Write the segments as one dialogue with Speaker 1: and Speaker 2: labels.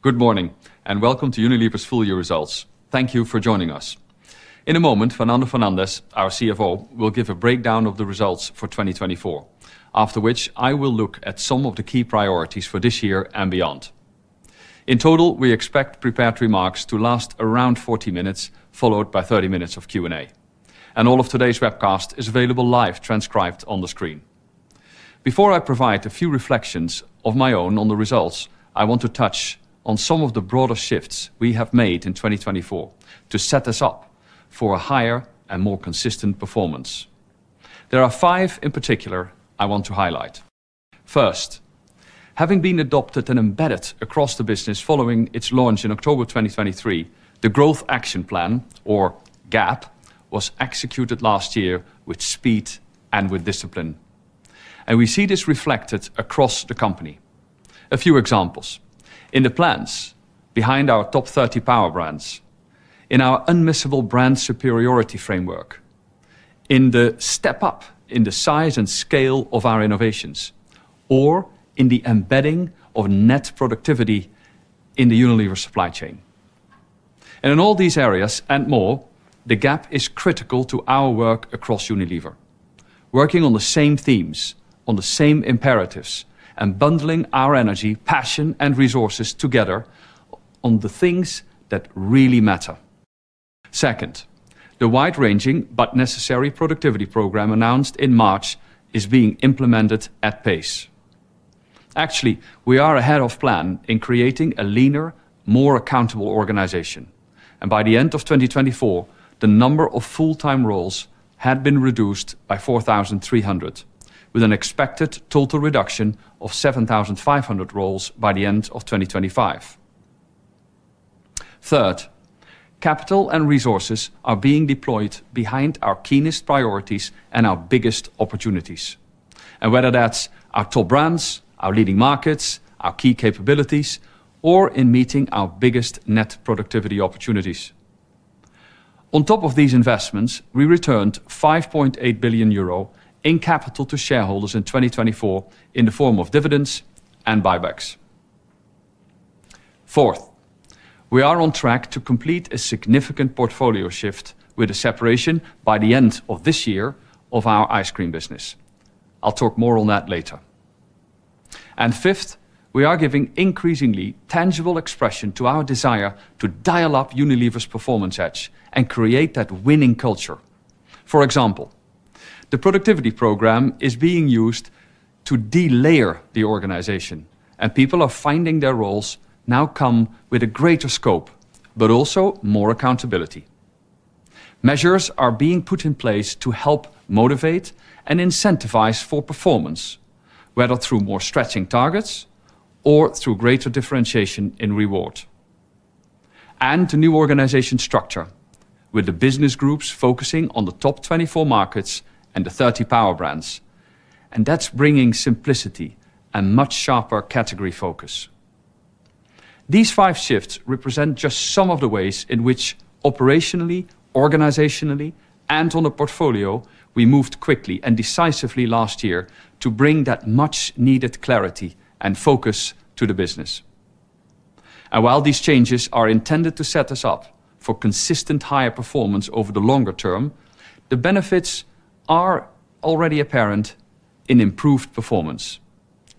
Speaker 1: Good morning, and welcome to Unilever's Full-Year Results. Thank you for joining us. In a moment, Fernando Fernández, our CFO, will give a breakdown of the results for 2024, after which I will look at some of the key priorities for this year and beyond. In total, we expect prepared remarks to last around 40 minutes, followed by 30 minutes of Q&A, and all of today's webcast is available live, transcribed on the screen. Before I provide a few reflections of my own on the results, I want to touch on some of the broader shifts we have made in 2024 to set us up for a higher and more consistent performance. There are five in particular I want to highlight. First, having been adopted and embedded across the business following its launch in October 2023, the Growth Action Plan, or GAP, was executed last year with speed and with discipline, and we see this reflected across the company. A few examples: in the plans behind our top 30 Power Brands, in our unmissable brand superiority framework, in the step-up in the size and scale of our innovations, or in the embedding of net productivity in the Unilever supply chain, and in all these areas and more, the GAP is critical to our work across Unilever, working on the same themes, on the same imperatives, and bundling our energy, passion, and resources together on the things that really matter. Second, the wide-ranging but necessary productivity program announced in March is being implemented at pace. Actually, we are ahead of plan in creating a leaner, more accountable organization. By the end of 2024, the number of full-time roles had been reduced by 4,300, with an expected total reduction of 7,500 roles by the end of 2025. Third, capital and resources are being deployed behind our keenest priorities and our biggest opportunities, and whether that's our top brands, our leading markets, our key capabilities, or in meeting our biggest net productivity opportunities. On top of these investments, we returned €5.8 billion in capital to shareholders in 2024 in the form of dividends and buybacks. Fourth, we are on track to complete a significant portfolio shift with a separation, by the end of this year, of our Ice Cream business. I'll talk more on that later. And fifth, we are giving increasingly tangible expression to our desire to dial up Unilever's performance edge and create that winning culture. For example, the productivity program is being used to delayer the organization, and people are finding their roles now come with a greater scope, but also more accountability. Measures are being put in place to help motivate and incentivize for performance, whether through more stretching targets or through greater differentiation in reward. And the new organization structure, with the Business Groups focusing on the top 24 markets and the 30 Power Brands, and that's bringing simplicity and much sharper category focus. These five shifts represent just some of the ways in which operationally, organizationally, and on the portfolio, we moved quickly and decisively last year to bring that much-needed clarity and focus to the business. And while these changes are intended to set us up for consistent higher performance over the longer term, the benefits are already apparent in improved performance.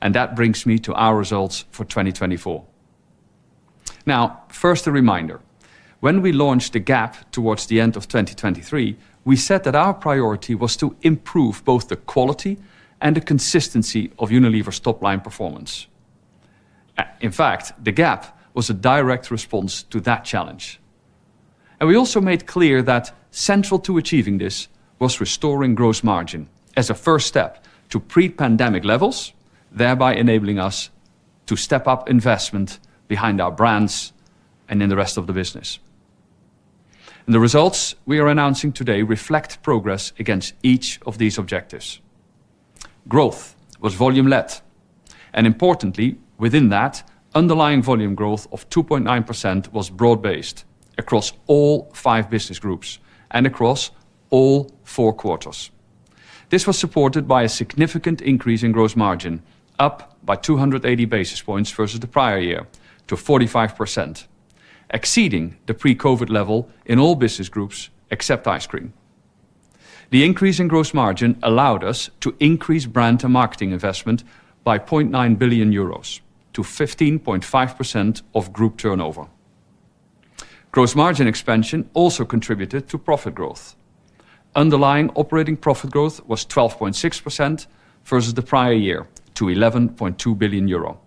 Speaker 1: And that brings me to our results for 2024. Now, first, a reminder: when we launched the GAP towards the end of 2023, we said that our priority was to improve both the quality and the consistency of Unilever's top-line performance. In fact, the GAP was a direct response to that challenge. And we also made clear that central to achieving this was restoring gross margin as a first step to pre-pandemic levels, thereby enabling us to step up investment behind our brands and in the rest of the business. And the results we are announcing today reflect progress against each of these objectives. Growth was volume-led. And importantly, within that, underlying volume growth of 2.9% was broad-based across all five Business Groups and across all four quarters. This was supported by a significant increase in gross margin, up by 280 basis points versus the prior year to 45%, exceeding the pre-COVID level in all Business Groups except Ice Cream. The increase in gross margin allowed us to increase brand and marketing investment by 0.9 billion euros to 15.5% of group turnover. Gross margin expansion also contributed to profit growth. Underlying operating profit growth was 12.6% versus the prior year to 11.2 billion euro.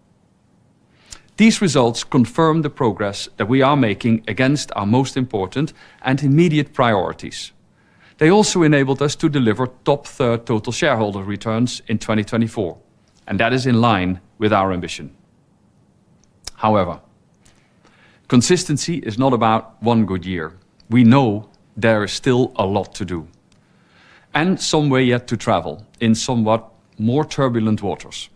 Speaker 1: These results confirm the progress that we are making against our most important and immediate priorities. They also enabled us to deliver top-tier total shareholder returns in 2024, and that is in line with our ambition. However, consistency is not about one good year. We know there is still a lot to do and some way yet to travel in somewhat more turbulent waters.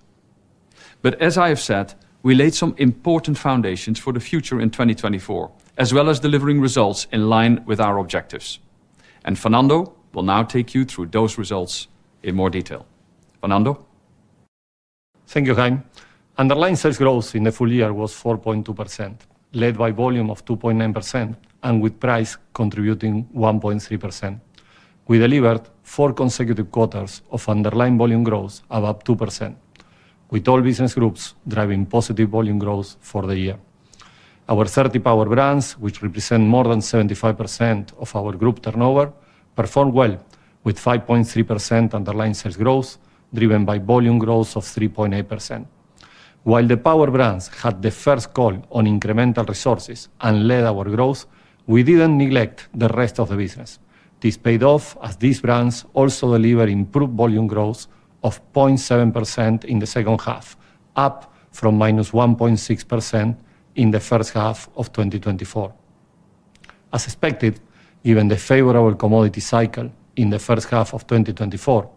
Speaker 1: But as I have said, we laid some important foundations for the future in 2024, as well as delivering results in line with our objectives. And Fernando will now take you through those results in more detail. Fernando?
Speaker 2: Thank you, Graeme. Underlying sales growth in the full year was 4.2%, led by volume of 2.9% and with price contributing 1.3%. We delivered four consecutive quarters of underlying volume growth of up 2%, with all Business Groups driving positive volume growth for the year. Our 30 Power Brands, which represent more than 75% of our group turnover, performed well, with 5.3% underlying sales growth driven by volume growth of 3.8%. While the Power Brands had the first call on incremental resources and led our growth, we didn't neglect the rest of the business. This paid off as these brands also delivered improved volume growth of 0.7% in the second half, up from minus 1.6% in the first half of 2024. As expected, given the favorable commodity cycle in the first half of 2024,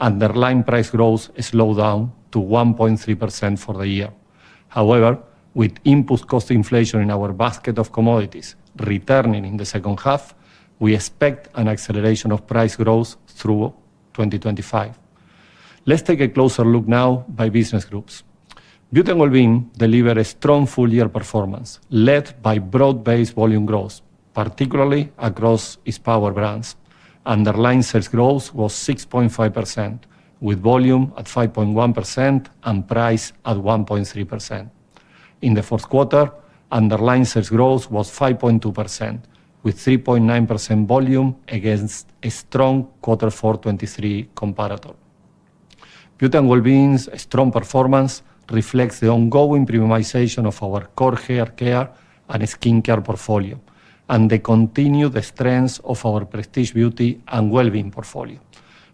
Speaker 2: underlying price growth slowed down to 1.3% for the year. However, with input cost inflation in our basket of commodities returning in the second half, we expect an acceleration of price growth through 2025. Let's take a closer look now by Business Groups. Beauty and Wellbeing delivered a strong full-year performance led by broad-based volume growth, particularly across its Power Brands. Underlying sales growth was 6.5%, with volume at 5.1% and price at 1.3%. In the fourth quarter, underlying sales growth was 5.2%, with 3.9% volume against a strong Q4 2023 comparator. Beauty and Wellbeing's strong performance reflects the ongoing premiumization of our core hair care and skincare portfolio and the continued strength of our Prestige Beauty and Wellbeing portfolio,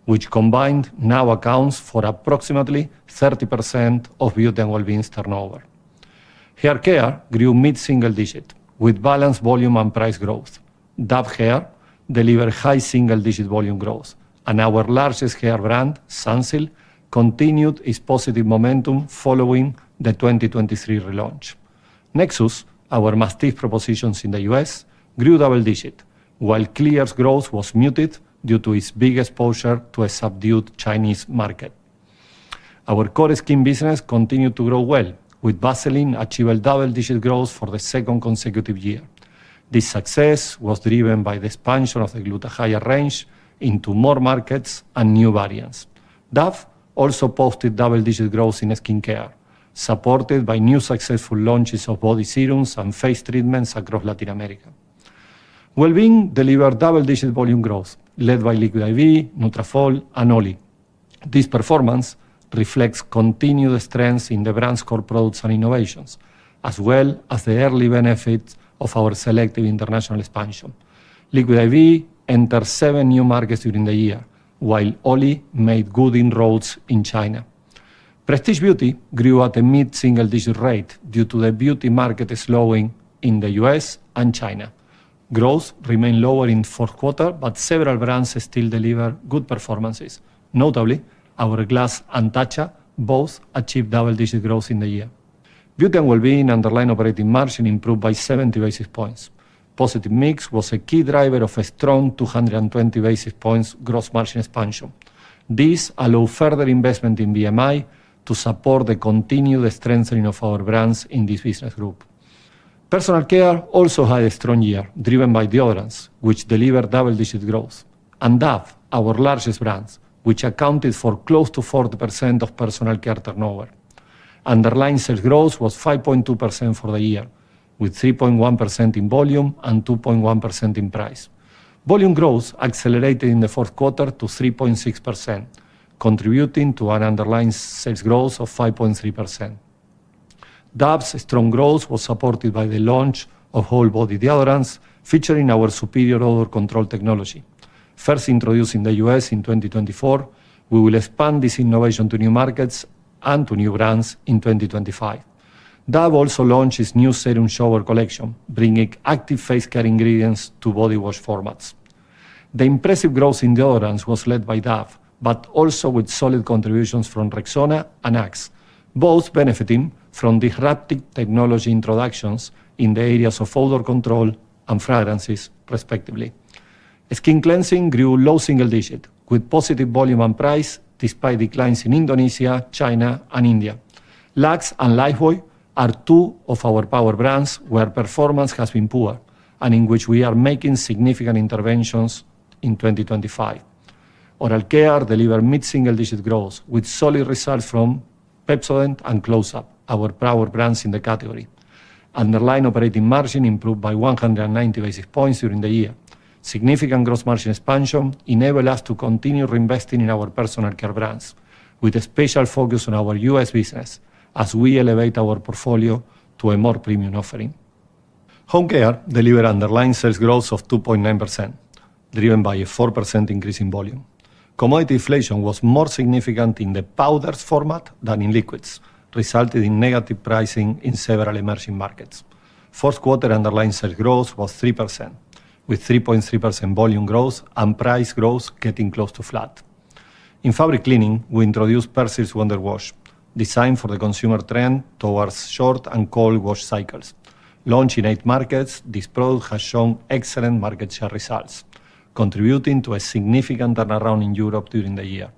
Speaker 2: which combined now accounts for approximately 30% of Beauty and Wellbeing's turnover. Hair care grew mid-single digit with balanced volume and price growth. Dove Hair delivered high single-digit volume growth, and our largest hair brand, Sunsilk, continued its positive momentum following the 2023 relaunch. Nexxus, our massive propositions in the U.S., grew double-digit, while Clear's growth was muted due to its big exposure to a subdued Chinese market. Our core skin business continued to grow well, with Vaseline achieving double-digit growth for the second consecutive year. This success was driven by the expansion of the Gluta-Hya range into more markets and new variants. Dove also posted double-digit growth in skincare, supported by new successful launches of body serums and face treatments across Latin America. Wellbeing delivered double-digit volume growth, led by Liquid I.V., Nutrafol, and OLLY. This performance reflects continued strength in the brand's core products and innovations, as well as the early benefits of our selective international expansion. Liquid I.V. entered seven new markets during the year, while OLLY made good inroads in China. Prestige Beauty grew at a mid-single-digit rate due to the beauty market slowing in the U.S. and China. Growth remained lower in the fourth quarter, but several brands still delivered good performances. Notably, Hourglass and Tatcha both achieved double-digit growth in the year. Beauty and Wellbeing underlying operating margin improved by 70 basis points. Positive mix was a key driver of a strong 220 basis points gross margin expansion. This allowed further investment in BMI to support the continued strengthening of our brands in this business group. Personal care also had a strong year, driven by deodorants, which delivered double-digit growth, and Dove, our largest brand, which accounted for close to 40% of Personal Care turnover. Underlying sales growth was 5.2% for the year, with 3.1% in volume and 2.1% in price. Volume growth accelerated in the fourth quarter to 3.6%, contributing to an underlying sales growth of 5.3%. Dove's strong growth was supported by the launch of Whole Body Deodorants, featuring our superior odor control technology. First introduced in the U.S. in 2024, we will expand this innovation to new markets and to new brands in 2025. Dove also launched its new Serum Shower Collection, bringing active face care ingredients to body wash formats. The impressive growth in deodorants was led by Dove, but also with solid contributions from Rexona and Axe, both benefiting from disruptive technology introductions in the areas of odor control and fragrances, respectively. Skin cleansing grew low single digit, with positive volume and price despite declines in Indonesia, China, and India. Lux and Lifebuoy are two of our Power Brands where performance has been poor and in which we are making significant interventions in 2025. Oral Care delivered mid-single digit growth with solid results from Pepsodent and Close-Up, our Power Brands in the category. Underlying operating margin improved by 190 basis points during the year. Significant gross margin expansion enabled us to continue reinvesting in our Personal Care brands, with a special focus on our U.S. business as we elevate our portfolio to a more premium offering. Home Care delivered underlying sales growth of 2.9%, driven by a 4% increase in volume. Commodity inflation was more significant in the powders format than in liquids, resulting in negative pricing in several emerging markets. Fourth quarter underlying sales growth was 3%, with 3.3% volume growth and price growth getting close to flat. In fabric cleaning, we introduced Persil Wonder Wash, designed for the consumer trend towards short and cold wash cycles. Launched in eight markets, this product has shown excellent market share results, contributing to a significant turnaround in Europe during the year.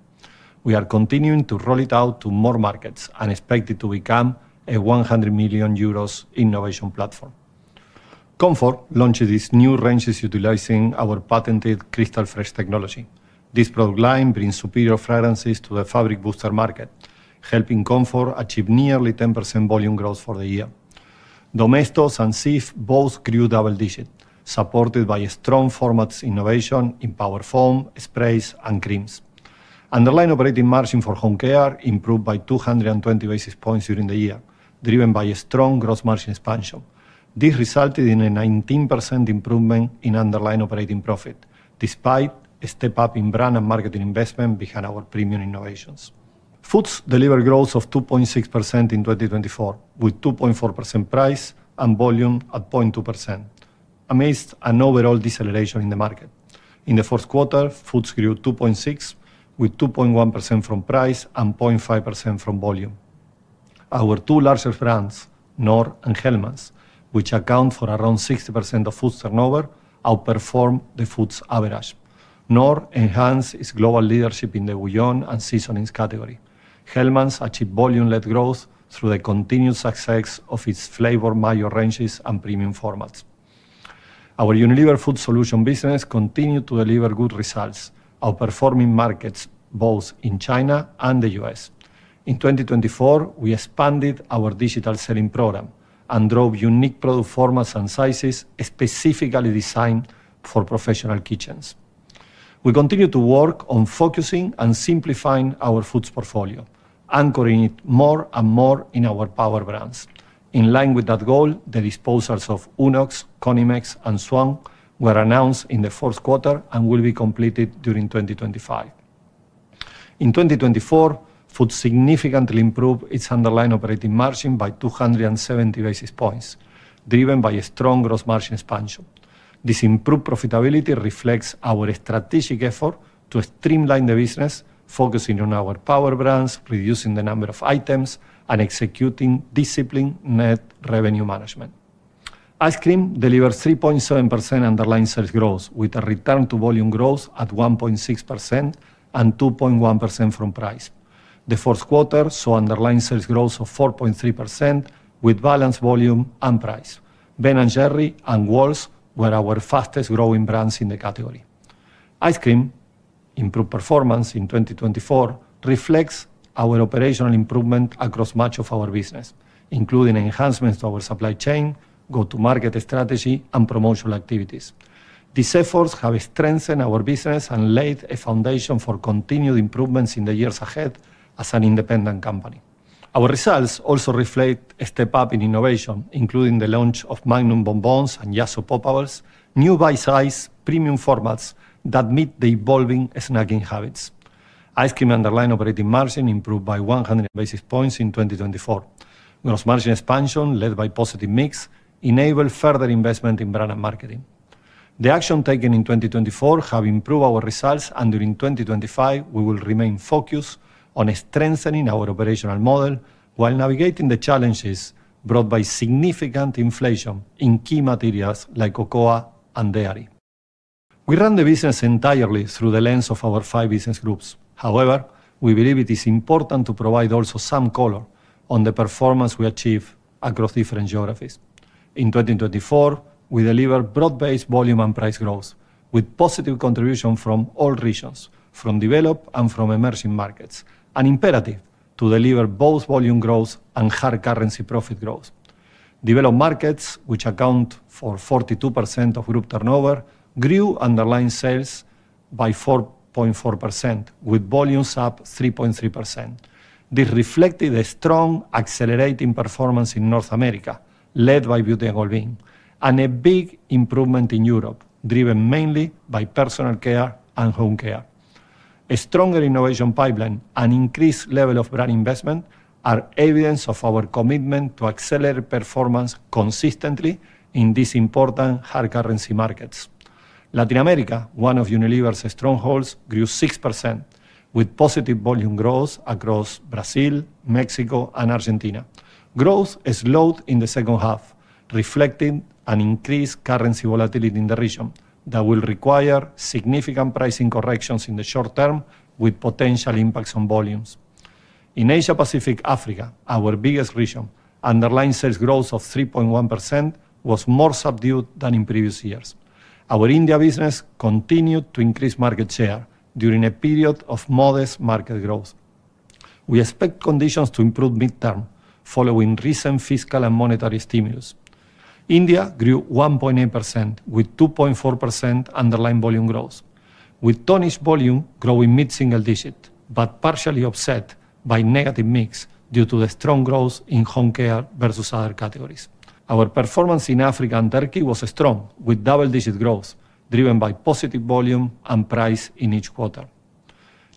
Speaker 2: We are continuing to roll it out to more markets and expect it to become a 100 million euros innovation platform. Comfort launched its new ranges utilizing our patented Crystal Fresh technology. This product line brings superior fragrances to the fabric booster market, helping Comfort achieve nearly 10% volume growth for the year. Domestos and Cif both grew double-digit, supported by strong formats innovation in power foam, sprays, and creams. Underlying operating margin for Home Care improved by 220 basis points during the year, driven by a strong gross margin expansion. This resulted in a 19% improvement in underlying operating profit, despite a step-up in brand and marketing investment behind our premium innovations. Foods delivered growth of 2.6% in 2024, with 2.4% price and volume at 0.2%, amidst an overall deceleration in the market. In the fourth quarter, Foods grew 2.6%, with 2.1% from price and 0.5% from volume. Our two larger brands, Knorr and Hellmann's, which account for around 60% of food turnover, outperform the foods average. Knorr enhanced its global leadership in the bouillon and seasonings category. Hellmann's achieved volume-led growth through the continued success of its flavored mayo ranges and premium formats. Our Unilever Food Solutions business continued to deliver good results, outperforming markets both in China and the U.S.. In 2024, we expanded our digital selling program and drove unique product formats and sizes specifically designed for professional kitchens. We continue to work on focusing and simplifying our foods portfolio, anchoring it more and more in our Power Brands. In line with that goal, the disposals of Unox, Conimex, and Zwan were announced in the fourth quarter and will be completed during 2025. In 2024, Foods significantly improved its underlying operating margin by 270 basis points, driven by a strong gross margin expansion. This improved profitability reflects our strategic effort to streamline the business, focusing on our Power Brands, reducing the number of items, and executing disciplined net revenue management. Ice Cream delivered 3.7% underlying sales growth, with a return-to-volume growth at 1.6% and 2.1% from price. The fourth quarter saw underlying sales growth of 4.3%, with balanced volume and price. Ben & Jerry's and Wall's were our fastest-growing brands in the category. Ice Cream, improved performance in 2024, reflects our operational improvement across much of our business, including enhancements to our supply chain, go-to-market strategy, and promotional activities. These efforts have strengthened our business and laid a foundation for continued improvements in the years ahead as an independent company. Our results also reflect a step-up in innovation, including the launch Magnum Bonbons and Yasso Poppables, new bite-sized premium formats that meet the evolving snacking habits. Ice cream underlying operating margin improved by 100 basis points in 2024. Gross margin expansion, led by positive mix, enabled further investment in brand and marketing. The actions taken in 2024 have improved our results, and during 2025, we will remain focused on strengthening our operational model while navigating the challenges brought by significant inflation in key materials like cocoa and dairy. We run the business entirely through the lens of our five Business Groups. However, we believe it is important to provide also some color on the performance we achieve across different geographies. In 2024, we delivered broad-based volume and price growth, with positive contribution from all regions, from developed and from emerging markets. An imperative to deliver both volume growth and hard currency profit growth. Developed markets, which account for 42% of group turnover, grew underlying sales by 4.4%, with volumes up 3.3%. This reflected a strong accelerating performance in North America, led by Beauty and Wellbeing, and a big improvement in Europe, driven mainly by Personal Care and Home Care. A stronger innovation pipeline and increased level of brand investment are evidence of our commitment to accelerate performance consistently in these important hard currency markets. Latin America, one of Unilever's strongholds, grew 6%, with positive volume growth across Brazil, Mexico, and Argentina. Growth slowed in the second half, reflecting an increased currency volatility in the region that will require significant pricing corrections in the short term, with potential impacts on volumes. In Asia-Pacific Africa, our biggest region, underlying sales growth of 3.1% was more subdued than in previous years. Our India business continued to increase market share during a period of modest market growth. We expect conditions to improve medium term following recent fiscal and monetary stimulus. India grew 1.8%, with 2.4% underlying volume growth, with non-food volume growing mid-single digit, but partially offset by negative mix due to the strong growth in Home Care versus other categories. Our performance in Africa and Turkey was strong, with double-digit growth driven by positive volume and price in each quarter.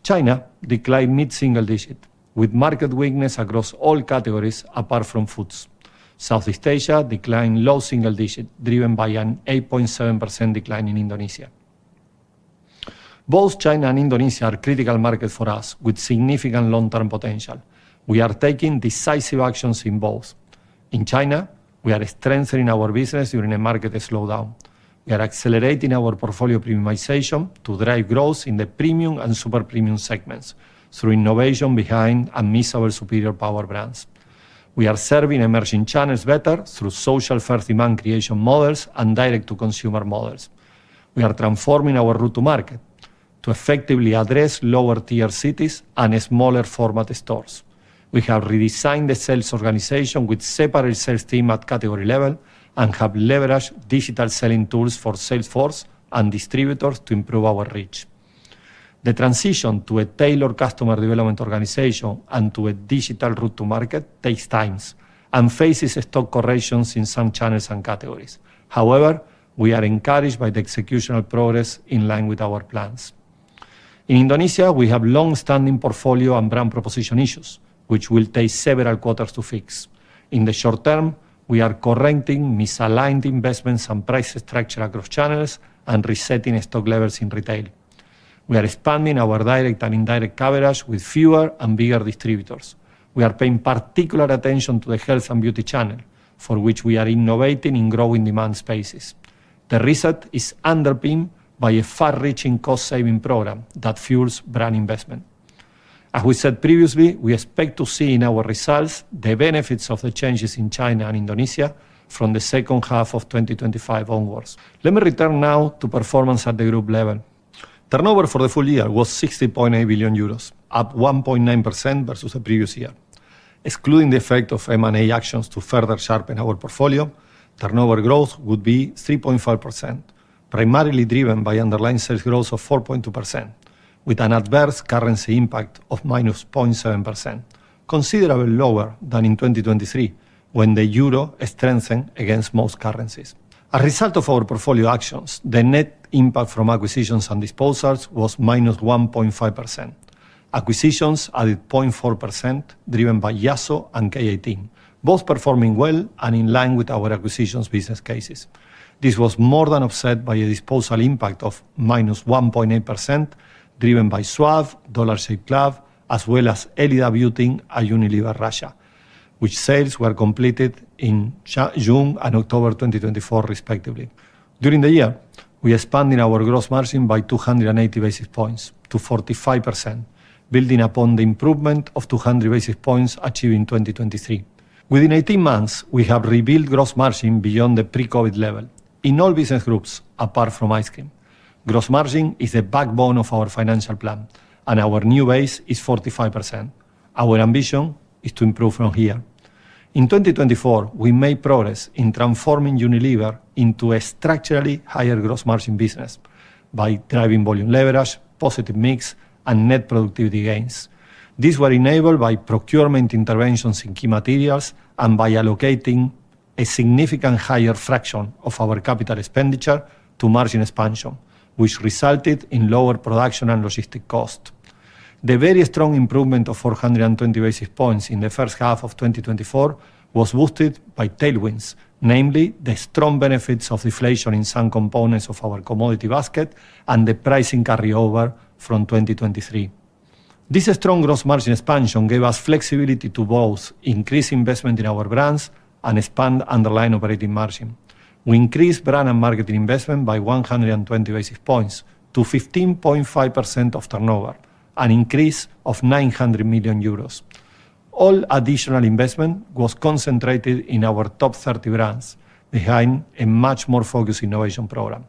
Speaker 2: China declined mid-single digit, with market weakness across all categories apart from Foods. Southeast Asia declined low single digit, driven by an 8.7% decline in Indonesia. Both China and Indonesia are critical markets for us, with significant long-term potential. We are taking decisive actions in both. In China, we are strengthening our business during a market slowdown. We are accelerating our portfolio premiumization to drive growth in the premium and super premium segments through innovation behind unmissable superior Power Brands. We are serving emerging channels better through social first demand creation models and direct-to-consumer models. We are transforming our route to market to effectively address lower-tier cities and smaller-format stores. We have redesigned the sales organization with separate sales teams at category level and have leveraged digital selling tools for sales force and distributors to improve our reach. The transition to a tailored customer development organization and to a digital route to market takes time and faces stock corrections in some channels and categories. However, we are encouraged by the execution of progress in line with our plans. In Indonesia, we have long-standing portfolio and brand proposition issues, which will take several quarters to fix. In the short term, we are correcting misaligned investments and price structure across channels and resetting stock levels in retail. We are expanding our direct and indirect coverage with fewer and bigger distributors. We are paying particular attention to the health and beauty channel, for which we are innovating in growing demand spaces. The reset is underpinned by a far-reaching cost-saving program that fuels brand investment. As we said previously, we expect to see in our results the benefits of the changes in China and Indonesia from the second half of 2025 onwards. Let me return now to performance at the group level. Turnover for the full year was 60.8 billion euros, up 1.9% versus the previous year. Excluding the effect of M&A actions to further sharpen our portfolio, turnover growth would be 3.5%, primarily driven by underlying sales growth of 4.2%, with an adverse currency impact of minus 0.7%, considerably lower than in 2023 when the euro strengthened against most currencies. As a result of our portfolio actions, the net impact from acquisitions and disposals was minus 1.5%. Acquisitions added 0.4%, driven by Yasso and K18, both performing well and in line with our acquisitions business cases. This was more than offset by a disposal impact of minus 1.8%, driven by Suave, Dollar Shave Club, as well as Elida Beauty and Unilever Russia, which sales were completed in June and October 2024, respectively. During the year, we expanded our gross margin by 280 basis points to 45%, building upon the improvement of 200 basis points achieved in 2023. Within 18 months, we have rebuilt gross margin beyond the pre-COVID level. In all Business Groups, apart from Ice Cream, gross margin is the backbone of our financial plan, and our new base is 45%. Our ambition is to improve from here. In 2024, we made progress in transforming Unilever into a structurally higher gross margin business by driving volume leverage, positive mix, and net productivity gains. These were enabled by procurement interventions in key materials and by allocating a significantly higher fraction of our capital expenditure to margin expansion, which resulted in lower production and logistic cost. The very strong improvement of 420 basis points in the first half of 2024 was boosted by tailwinds, namely the strong benefits of deflation in some components of our commodity basket and the pricing carryover from 2023. This strong gross margin expansion gave us flexibility to both increase investment in our brands and expand underlying operating margin. We increased brand and marketing investment by 120 basis points to 15.5% of turnover and an increase of 900 million euros. All additional investment was concentrated in our top 30 brands behind a much more focused innovation program.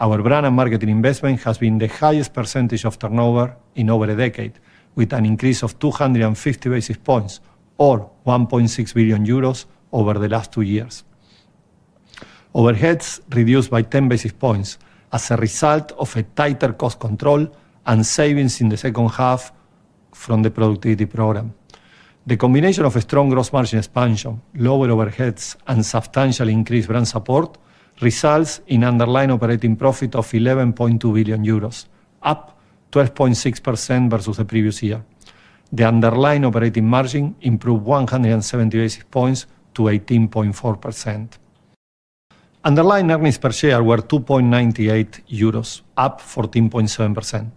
Speaker 2: Our brand and marketing investment has been the highest percentage of turnover in over a decade, with an increase of 250 basis points, or €1.6 billion, over the last two years. Overheads reduced by 10 basis points as a result of tighter cost control and savings in the second half from the productivity program. The combination of strong gross margin expansion, lower overheads, and substantial increased brand support results in underlying operating profit of 11.2 billion euros, up 12.6% versus the previous year. The underlying operating margin improved 170 basis points to 18.4%. Underlying earnings per share were 2.98 euros, up 14.7%.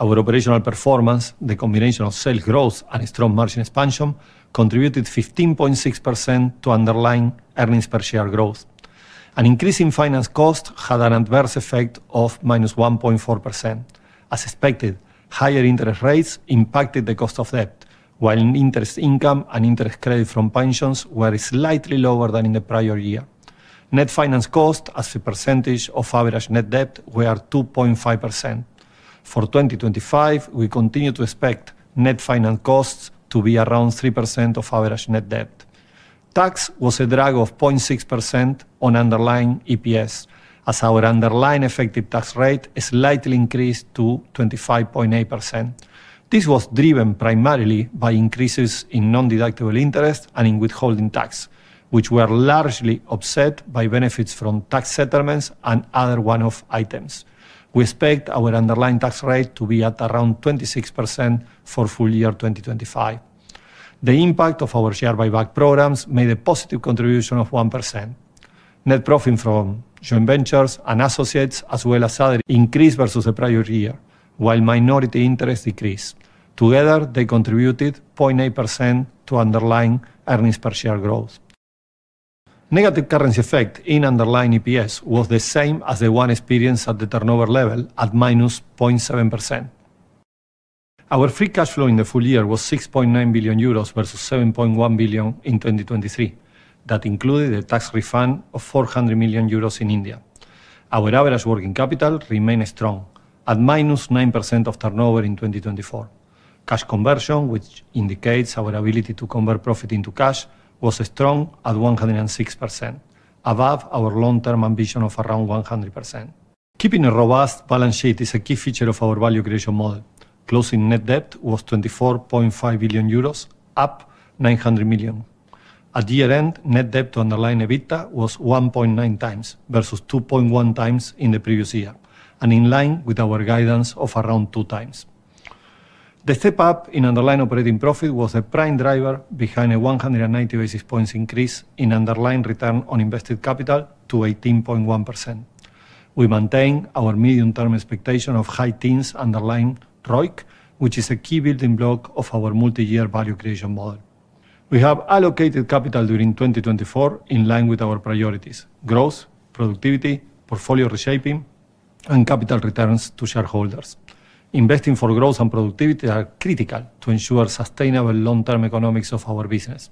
Speaker 2: Our operational performance, the combination of sales growth and strong margin expansion, contributed 15.6% to underlying earnings per share growth. An increase in finance costs had an adverse effect of minus 1.4%. As expected, higher interest rates impacted the cost of debt, while interest income and interest credit from pensions were slightly lower than in the prior year. Net finance cost, as a percentage of average net debt, were 2.5%. For 2025, we continue to expect net finance costs to be around 3% of average net debt. Tax was a drag of 0.6% on underlying EPS, as our underlying effective tax rate slightly increased to 25.8%. This was driven primarily by increases in non-deductible interest and in withholding tax, which were largely offset by benefits from tax settlements and other one-off items. We expect our underlying tax rate to be at around 26% for full year 2025. The impact of our share buyback programs made a positive contribution of 1%. Net profit from Joint Ventures and Associates, as well as others, increased versus the prior year, while minority interest decreased. Together, they contributed 0.8% to underlying earnings per share growth. Negative currency effect in underlying EPS was the same as the one experienced at the turnover level at minus 0.7%. Our free cash flow in the full year was 6.9 billion euros versus 7.1 billion in 2023. That included a tax refund of 400 million euros in India. Our average working capital remained strong at minus 9% of turnover in 2024. Cash conversion, which indicates our ability to convert profit into cash, was strong at 106%, above our long-term ambition of around 100%. Keeping a robust balance sheet is a key feature of our value creation model. Closing net debt was 24.5 billion euros, up 900 million. At year-end, net debt to underlying EBITDA was 1.9 times versus 2.1 times in the previous year, and in line with our guidance of around 2 times. The step-up in underlying operating profit was a prime driver behind a 190 basis points increase in underlying return on invested capital to 18.1%. We maintain our medium-term expectation of high-teens underlying ROIC, which is a key building block of our multi-year value creation model. We have allocated capital during 2024 in line with our priorities: growth, productivity, portfolio reshaping, and capital returns to shareholders. Investing for growth and productivity are critical to ensure sustainable long-term economics of our business.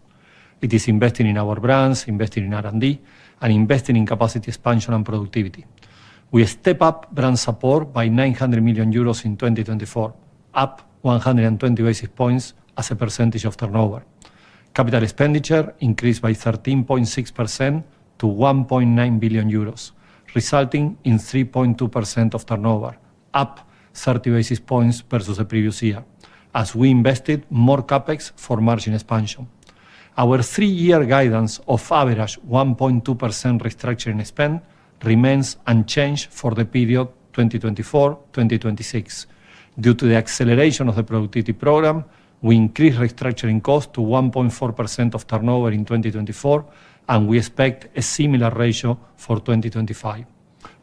Speaker 2: It is investing in our brands, investing in R&D, and investing in capacity expansion and productivity. We step-up brand support by 900 million euros in 2024, up 120 basis points as a percentage of turnover. Capital expenditure increased by 13.6% to 1.9 billion euros, resulting in 3.2% of turnover, up 30 basis points versus the previous year, as we invested more CapEx for margin expansion. Our three-year guidance of average 1.2% restructuring spend remains unchanged for the period 2024-2026. Due to the acceleration of the productivity program, we increased restructuring cost to 1.4% of turnover in 2024, and we expect a similar ratio for 2025.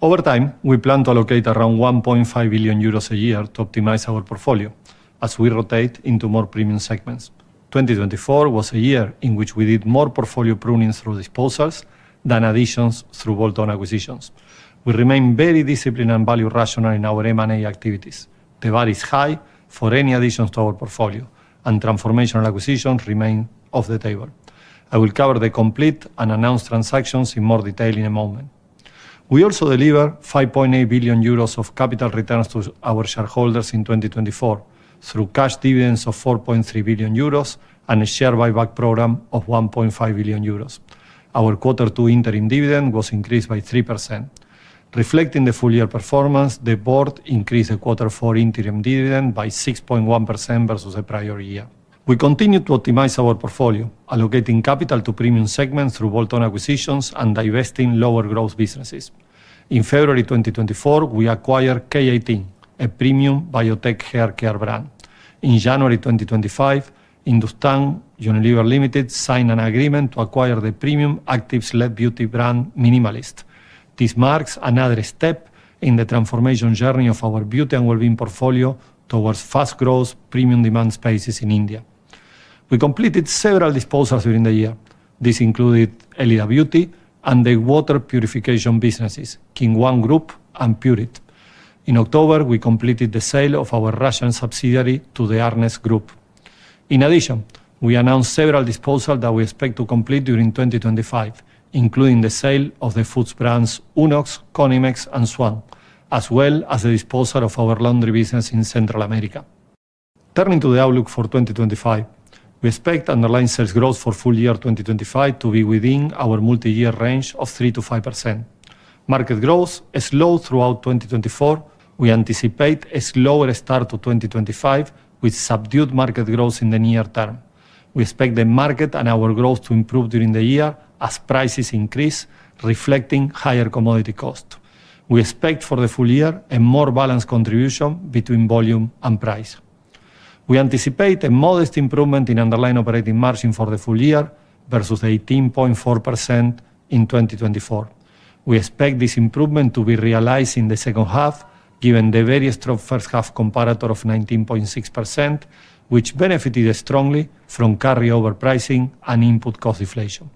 Speaker 2: Over time, we plan to allocate around 1.5 billion euros a year to optimize our portfolio as we rotate into more premium segments. 2024 was a year in which we did more portfolio pruning through disposals than additions through bolt-on acquisitions. We remain very disciplined and value rational in our M&A activities. The bar is high for any additions to our portfolio, and transformational acquisitions remain off the table. I will cover the complete and announced transactions in more detail in a moment. We also delivered 5.8 billion euros of capital returns to our shareholders in 2024 through cash dividends of 4.3 billion euros and a share buyback program of 1.5 billion euros. Our Q2 interim dividend was increased by 3%. Reflecting the full-year performance, the board increased the Q4 interim dividend by 6.1% versus the prior year. We continue to optimize our portfolio, allocating capital to premium segments through bolt-on acquisitions and divesting lower-growth businesses. In February 2024, we acquired K18, a premium biotech hair care brand. In January 2025, Hindustan Unilever Limited signed an agreement to acquire the premium active beauty brand Minimalist. This marks another step in the transformation journey of our beauty and well-being portfolio towards fast-growth premium demand spaces in India. We completed several disposals during the year. This included Elida Beauty and the water purification businesses, Qinyuan Group and Pureit. In October, we completed the sale of our Russian subsidiary to the Arnest Group. In addition, we announced several disposals that we expect to complete during 2025, including the sale of the foods brands Unox, Conimex, and Zwan, as well as the disposal of our laundry business in Central America. Turning to the outlook for 2025, we expect underlying sales growth for full year 2025 to be within our multi-year range of 3% to 5%. Market growth is slow throughout 2024. We anticipate a slower start to 2025 with subdued market growth in the near term. We expect the market and our growth to improve during the year as prices increase, reflecting higher commodity cost. We expect for the full year a more balanced contribution between volume and price. We anticipate a modest improvement in underlying operating margin for the full year versus 18.4% in 2024. We expect this improvement to be realized in the second half, given the very strong first half comparator of 19.6%, which benefited strongly from carryover pricing and input cost inflation.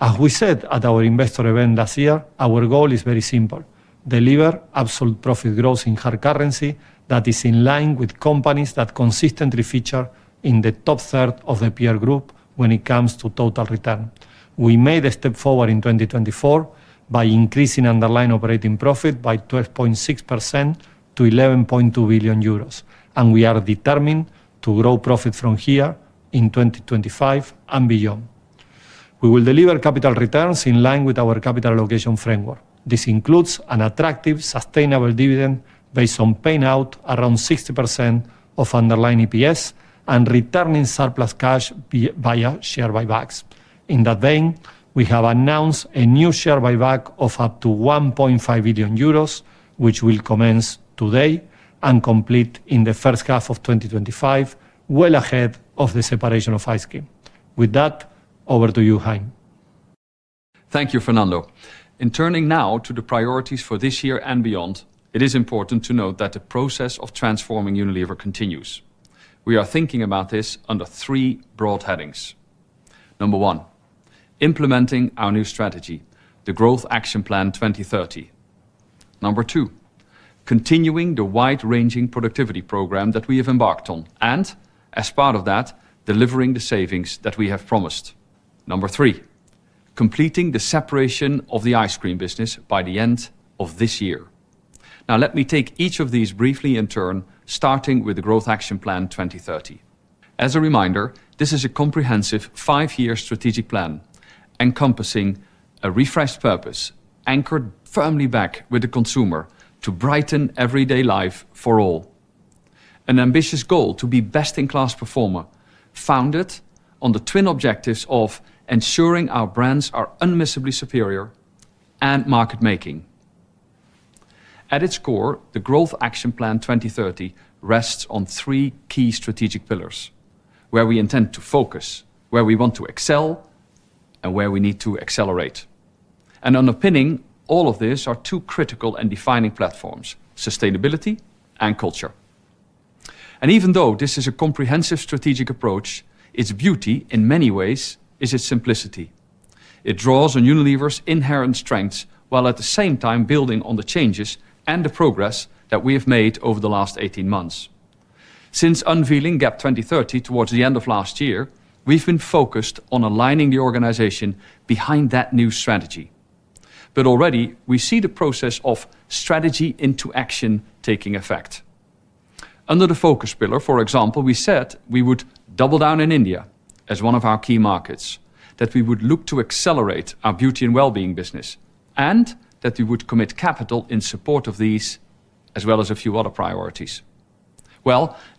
Speaker 2: As we said at our investor event last year, our goal is very simple: deliver absolute profit growth in hard currency that is in line with companies that consistently feature in the top third of the peer group when it comes to total return. We made a step forward in 2024 by increasing underlying operating profit by 12.6% to 11.2 billion euros, and we are determined to grow profit from here in 2025 and beyond. We will deliver capital returns in line with our capital allocation framework. This includes an attractive, sustainable dividend based on paying out around 60% of underlying EPS and returning surplus cash via share buybacks. In that vein, we have announced a new share buyback of up to 1.5 billion euros, which will commence today and complete in the first half of 2025, well ahead of the separation of Ice Cream. With that, over to you, Hein.
Speaker 3: Thank you, Fernando. In turning now to the priorities for this year and beyond, it is important to note that the process of transforming Unilever continues. We are thinking about this under three broad headings. Number one, implementing our new strategy, the Growth Action Plan 2030. Number two, continuing the wide-ranging productivity program that we have embarked on and, as part of that, delivering the savings that we have promised. Number three, completing the separation of the Ice Cream business by the end of this year. Now, let me take each of these briefly in turn, starting with the Growth Action Plan 2030. As a reminder, this is a comprehensive five-year strategic plan encompassing a refreshed purpose anchored firmly back with the consumer to brighten everyday life for all. An ambitious goal to be best-in-class performer, founded on the twin objectives of ensuring our brands are unmissably superior and market-making. At its core, the Growth Action Plan 2030 rests on three key strategic pillars: where we intend to focus, where we want to excel, and where we need to accelerate. And underpinning all of this are two critical and defining platforms: sustainability and culture. And even though this is a comprehensive strategic approach, its beauty, in many ways, is its simplicity. It draws on Unilever's inherent strengths while at the same time building on the changes and the progress that we have made over the last 18 months. Since unveiling GAP 2030 towards the end of last year, we've been focused on aligning the organization behind that new strategy. But already, we see the process of strategy into action taking effect. Under the focus pillar, for example, we said we would double down in India as one of our key markets, that we would look to accelerate our beauty and well-being business, and that we would commit capital in support of these, as well as a few other priorities.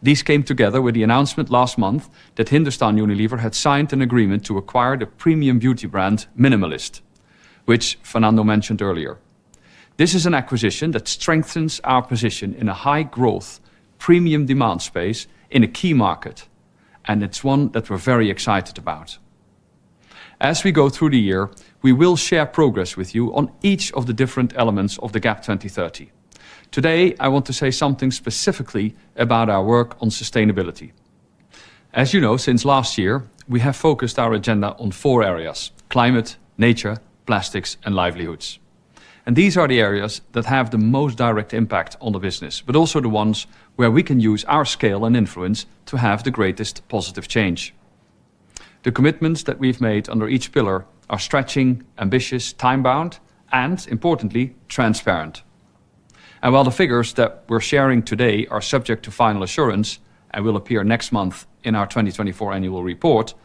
Speaker 3: These came together with the announcement last month that Hindustan Unilever had signed an agreement to acquire the premium beauty brand Minimalist, which Fernando mentioned earlier. This is an acquisition that strengthens our position in a high-growth premium demand space in a key market, and it's one that we're very excited about. As we go through the year, we will share progress with you on each of the different elements of the GAP 2030. Today, I want to say something specifically about our work on sustainability. As you know, since last year, we have focused our agenda on four areas: climate, nature, plastics, and livelihoods, and these are the areas that have the most direct impact on the business, but also the ones where we can use our scale and influence to have the greatest positive change. The commitments that we've made under each pillar are stretching, ambitious, time-bound, and, importantly, transparent. While the figures that we're sharing today are subject to final assurance and will appear next month in our 2024 annual report,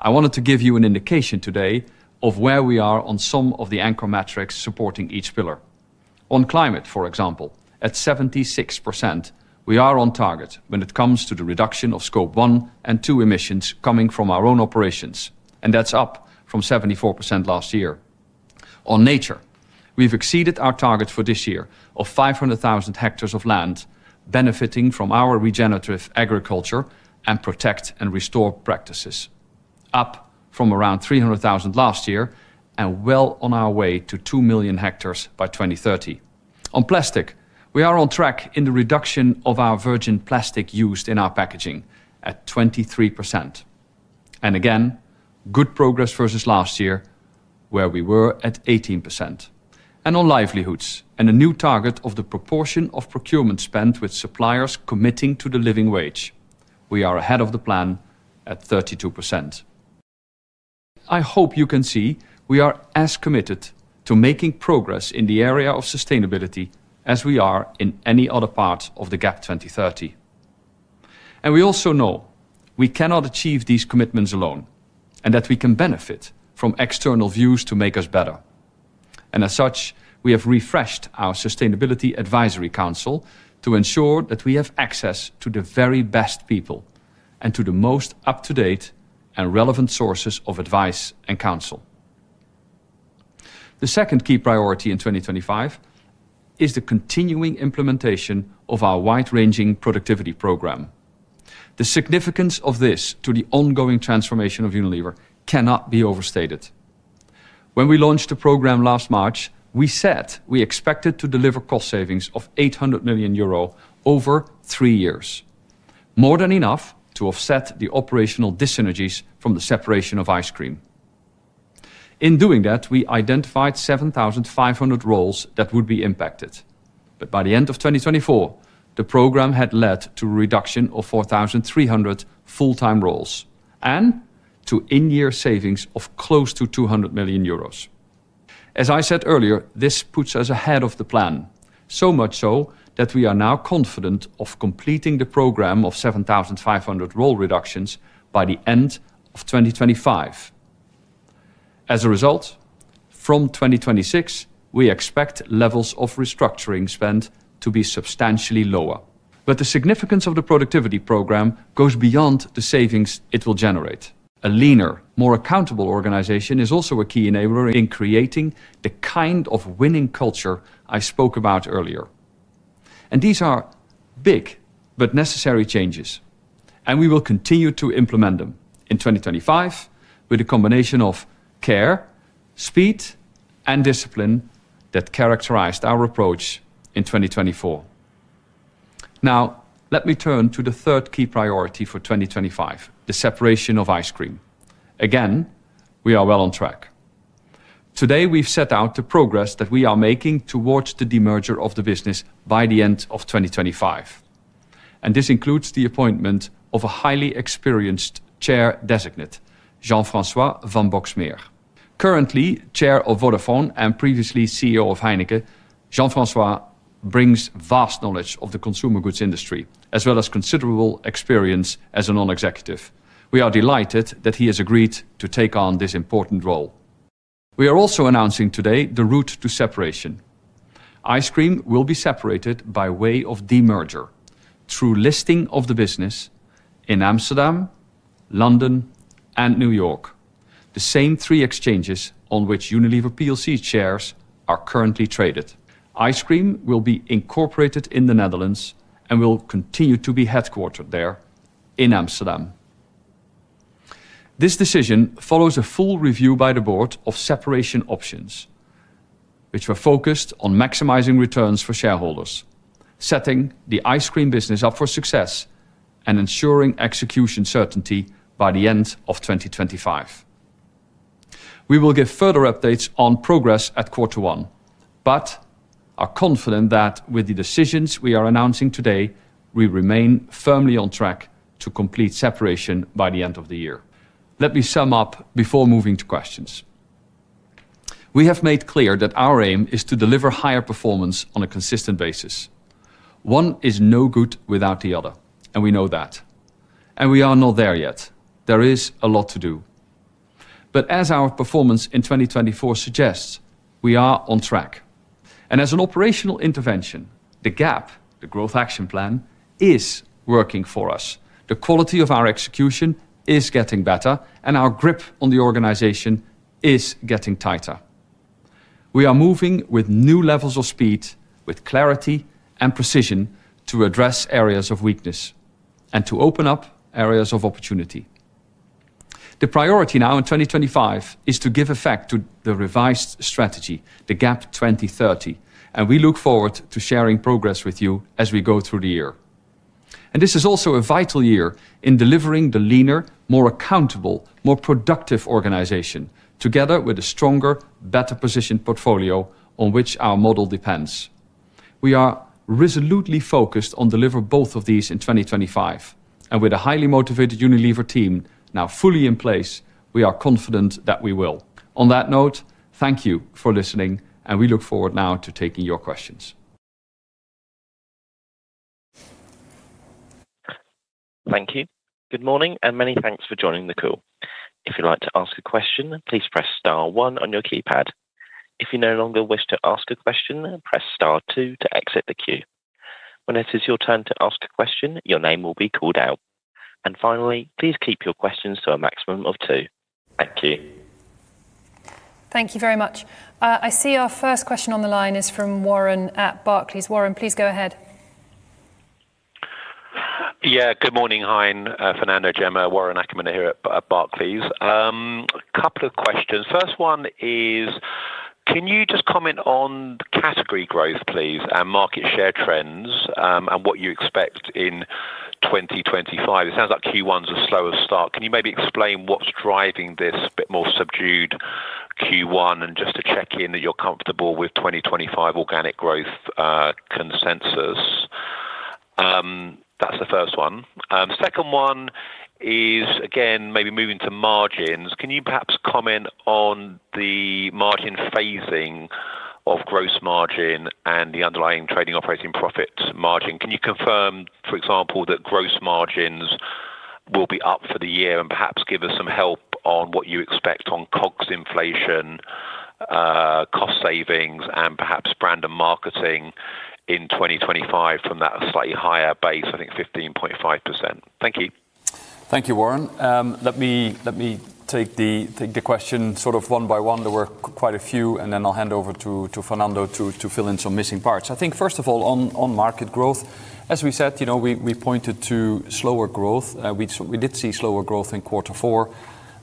Speaker 3: I wanted to give you an indication today of where we are on some of the anchor metrics supporting each pillar. On climate, for example, at 76%, we are on target when it comes to the reduction of Scope 1 and Scope 2 emissions coming from our own operations, and that's up from 74% last year. On nature, we've exceeded our target for this year of 500,000 hectares of land benefiting from our regenerative agriculture and protect and restore practices, up from around 300,000 last year and well on our way to 2 million hectares by 2030. On plastic, we are on track in the reduction of our virgin plastic used in our packaging at 23%. And again, good progress versus last year, where we were at 18%. And on livelihoods, a new target of the proportion of procurement spent with suppliers committing to the living wage, we are ahead of the plan at 32%. I hope you can see we are as committed to making progress in the area of sustainability as we are in any other part of the GAP 2030. And we also know we cannot achieve these commitments alone and that we can benefit from external views to make us better. And as such, we have refreshed our Sustainability Advisory Council to ensure that we have access to the very best people and to the most up-to-date and relevant sources of advice and counsel. The second key priority in 2025 is the continuing implementation of our wide-ranging productivity program. The significance of this to the ongoing transformation of Unilever cannot be overstated. When we launched the program last March, we said we expected to deliver cost savings of 800 million euro over three years, more than enough to offset the operational dyssynergies from the separation of Ice Cream. In doing that, we identified 7,500 roles that would be impacted. But by the end of 2024, the program had led to a reduction of 4,300 full-time roles and to in-year savings of close to 200 million euros. As I said earlier, this puts us ahead of the plan, so much so that we are now confident of completing the program of 7,500 role reductions by the end of 2025. As a result, from 2026, we expect levels of restructuring spend to be substantially lower. But the significance of the productivity program goes beyond the savings it will generate. A leaner, more accountable organization is also a key enabler in creating the kind of winning culture I spoke about earlier. And these are big but necessary changes, and we will continue to implement them in 2025 with a combination of care, speed, and discipline that characterized our approach in 2024. Now, let me turn to the third key priority for 2025, the separation of Ice Cream. Again, we are well on track. Today, we've set out the progress that we are making towards the demerger of the business by the end of 2025. And this includes the appointment of a highly experienced Chair designate, Jean-François van Boxmeer. Currently Chair of Vodafone and previously CEO of Heineken, Jean-François brings vast knowledge of the consumer goods industry, as well as considerable experience as a non-executive. We are delighted that he has agreed to take on this important role. We are also announcing today the route to separation. Ice cream will be separated by way of demerger through listing of the business in Amsterdam, London, and New York, the same three exchanges on which Unilever PLC shares are currently traded. Ice cream will be incorporated in the Netherlands and will continue to be headquartered there in Amsterdam. This decision follows a full review by the board of separation options, which were focused on maximizing returns for shareholders, setting the Ice Cream business up for success, and ensuring execution certainty by the end of 2025. We will give further updates on progress at quarter one, but are confident that with the decisions we are announcing today, we remain firmly on track to complete separation by the end of the year. Let me sum up before moving to questions. We have made clear that our aim is to deliver higher performance on a consistent basis. One is no good without the other, and we know that. And we are not there yet. There is a lot to do. But as our performance in 2024 suggests, we are on track. And as an operational intervention, the GAP, the Growth Action Plan, is working for us. The quality of our execution is getting better, and our grip on the organization is getting tighter. We are moving with new levels of speed, with clarity and precision to address areas of weakness and to open up areas of opportunity. The priority now in 2025 is to give effect to the revised strategy, the GAP 2030, and we look forward to sharing progress with you as we go through the year. And this is also a vital year in delivering the leaner, more accountable, more productive organization, together with a stronger, better-positioned portfolio on which our model depends. We are resolutely focused on delivering both of these in 2025. And with a highly motivated Unilever team now fully in place, we are confident that we will. On that note, thank you for listening, and we look forward now to taking your questions.
Speaker 4: Thank you. Good morning, and many thanks for joining the call. If you'd like to ask a question, please press star one on your keypad. If you no longer wish to ask a question, press star two to exit the queue. When it is your turn to ask a question, your name will be called out. And finally, please keep your questions to a maximum of two. Thank you. Thank you very much. I see our first question on the line is from Warren at Barclays. Warren, please go ahead. Yeah, good morning, Hein, Fernando, Gemma. Warren Ackerman here at Barclays. A couple of questions. First one is, can you just comment on category growth, please, and market share trends and what you expect in 2025? It sounds like Q1s are slowest start. Can you maybe explain what's driving this somewhat more subdued Q1 and just to check in that you're comfortable with 2025 organic growth consensus? That's the first one. Second one is, again, maybe moving to margins. Can you perhaps comment on the margin phasing of gross margin and the underlying operating profit margin? Can you confirm, for example, that gross margins will be up for the year and perhaps give us some help on what you expect on COGS inflation, cost savings, and perhaps brand and marketing in 2025 from that slightly higher base, I think 15.5%? Thank you.
Speaker 3: Thank you, Warren. Let me take the question sort of one by one. There were quite a few, and then I'll hand over to Fernando to fill in some missing parts. I think, first of all, on market growth, as we said, we pointed to slower growth. We did see slower growth in quarter four,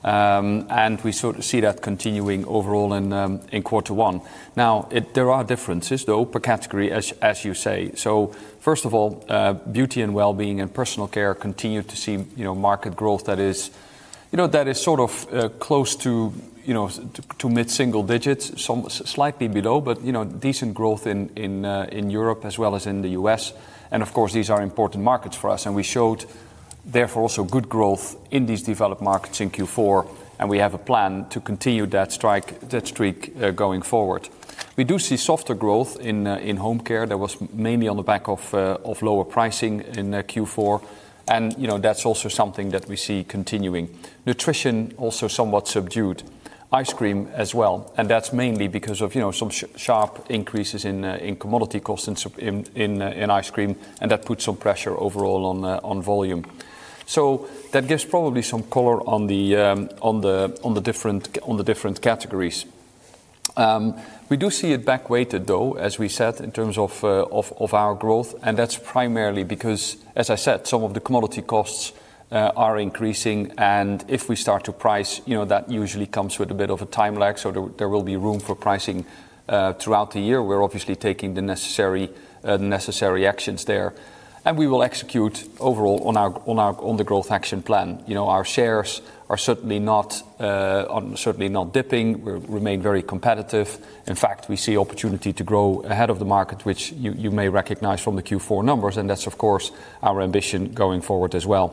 Speaker 3: and we sort of see that continuing overall in quarter one. Now, there are differences, though, per category, as you say. So first of all, beauty and well-being and Personal Care continue to see market growth that is sort of close to mid-single digits, slightly below, but decent growth in Europe as well as in the U.S.. And of course, these are important markets for us, and we showed, therefore, also good growth in these developed markets in Q4, and we have a plan to continue that streak going forward. We do see softer growth in Home Care. That was mainly on the back of lower pricing in Q4, and that's also something that we see continuing. Nutrition also somewhat subdued. Ice cream as well, and that's mainly because of some sharp increases in commodity costs in Ice Cream, and that puts some pressure overall on volume. So that gives probably some color on the different categories. We do see it backweighted, though, as we said, in terms of our growth, and that's primarily because, as I said, some of the commodity costs are increasing, and if we start to price, that usually comes with a bit of a time lag, so there will be room for pricing throughout the year. We're obviously taking the necessary actions there, and we will execute overall on the Growth Action Plan. Our shares are certainly not dipping. We remain very competitive. In fact, we see opportunity to grow ahead of the market, which you may recognize from the Q4 numbers, and that's, of course, our ambition going forward as well.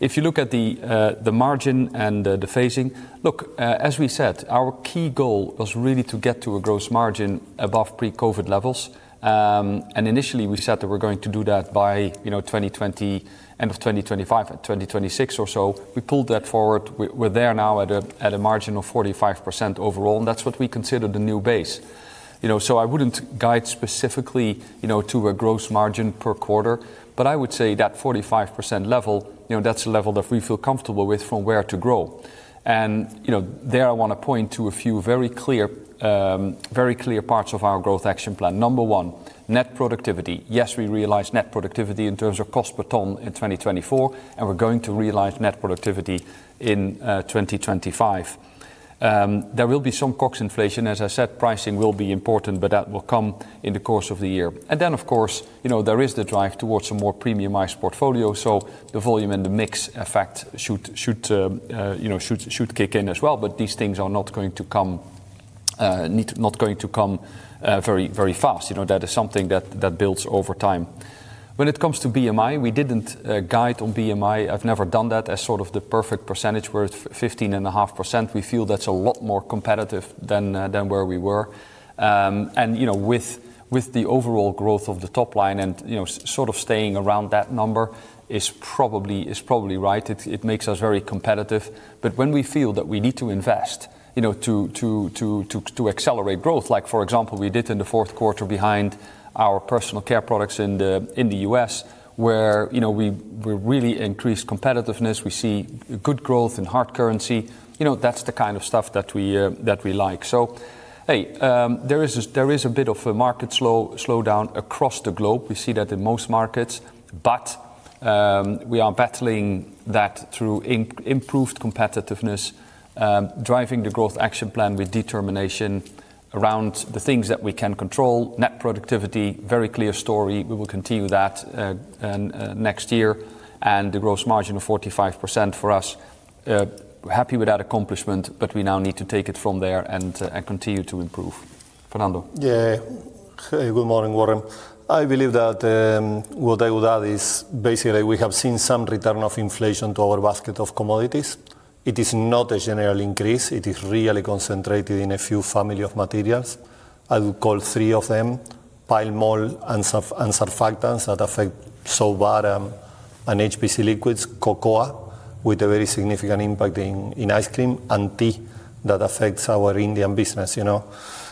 Speaker 3: If you look at the margin and the phasing, look, as we said, our key goal was really to get to a gross margin above pre-COVID levels, and initially, we said that we're going to do that by end of 2025, 2026 or so. We pulled that forward. We're there now at a margin of 45% overall, and that's what we consider the new base. So I wouldn't guide specifically to a gross margin per quarter, but I would say that 45% level, that's a level that we feel comfortable with from where to grow. And there I want to point to a few very clear parts of our Growth Action Plan. Number one, net productivity. Yes, we realize net productivity in terms of cost per ton in 2024, and we're going to realize net productivity in 2025. There will be some COGS inflation. As I said, pricing will be important, but that will come in the course of the year, and then, of course, there is the drive towards a more premiumized portfolio, so the volume and the mix effect should kick in as well, but these things are not going to come very fast. That is something that builds over time. When it comes to BMI, we didn't guide on BMI. I've never done that as sort of the perfect percentage where it's 15.5%. We feel that's a lot more competitive than where we were, and with the overall growth of the top line and sort of staying around that number is probably right. It makes us very competitive. But when we feel that we need to invest to accelerate growth, like for example, we did in the fourth quarter behind our Personal Care products in the U.S., where we really increased competitiveness, we see good growth in hard currency, that's the kind of stuff that we like. So hey, there is a bit of a market slowdown across the globe. We see that in most markets, but we are battling that through improved competitiveness, driving the Growth Action Plan with determination around the things that we can control, Net Productivity, very clear story. We will continue that next year, and the gross margin of 45% for us. Happy with that accomplishment, but we now need to take it from there and continue to improve. Fernando.
Speaker 2: Yeah, good morning, Warren. I believe that what I would add is basically we have seen some return of inflation to our basket of commodities. It is not a general increase. It is really concentrated in a few family of materials. I would call three of them: palm oil and surfactants that affect soaps and HPC liquids, cocoa with a very significant impact in Ice Cream, and tea that affects our Indian business.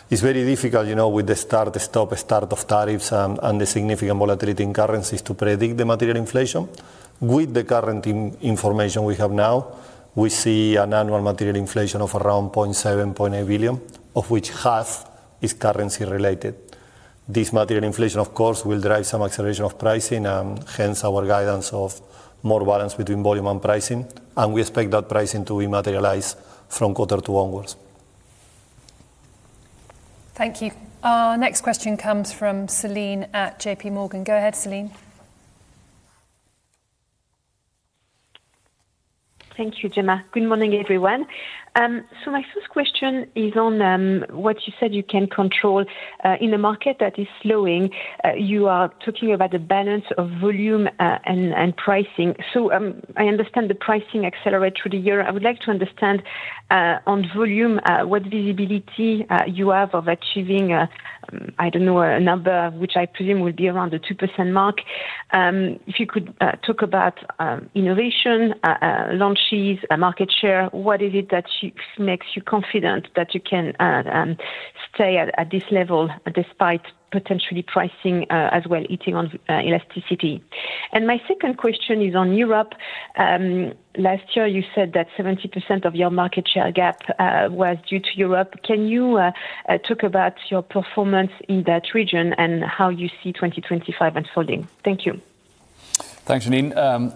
Speaker 2: It's very difficult with the start-stop start of tariffs and the significant volatility in currencies to predict the material inflation. With the current information we have now, we see an annual material inflation of around 0.7-0.8 billion, of which half is currency-related. This material inflation, of course, will drive some acceleration of pricing, and hence our guidance of more balance between volume and pricing, and we expect that pricing to be materialized from quarter two onwards.
Speaker 4: Thank you. Next question comes from Celine at J.P. Morgan. Go ahead, Celine. Thank you, Gemma. Good morning, everyone. So my first question is on what you said you can control in a market that is slowing. You are talking about the balance of volume and pricing. So I understand the pricing accelerates through the year. I would like to understand on volume what visibility you have of achieving, I don't know, a number which I presume will be around the 2% mark. If you could talk about innovation, launches, market share, what is it that makes you confident that you can stay at this level despite potentially pricing as well eating on elasticity? And my second question is on Europe. Last year, you said that 70% of your market share gap was due to Europe. Can you talk about your performance in that region and how you see 2025 unfolding? Thank you.
Speaker 3: Thanks, Celine.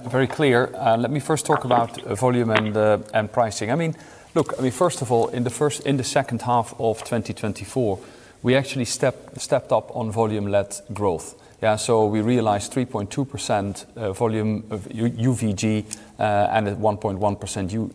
Speaker 3: Very clear. Let me first talk about volume and pricing. I mean, look, I mean, first of all, in the second half of 2024, we actually stepped up on volume-led growth. Yeah, so we realized 3.2% volume UVG and 1.1%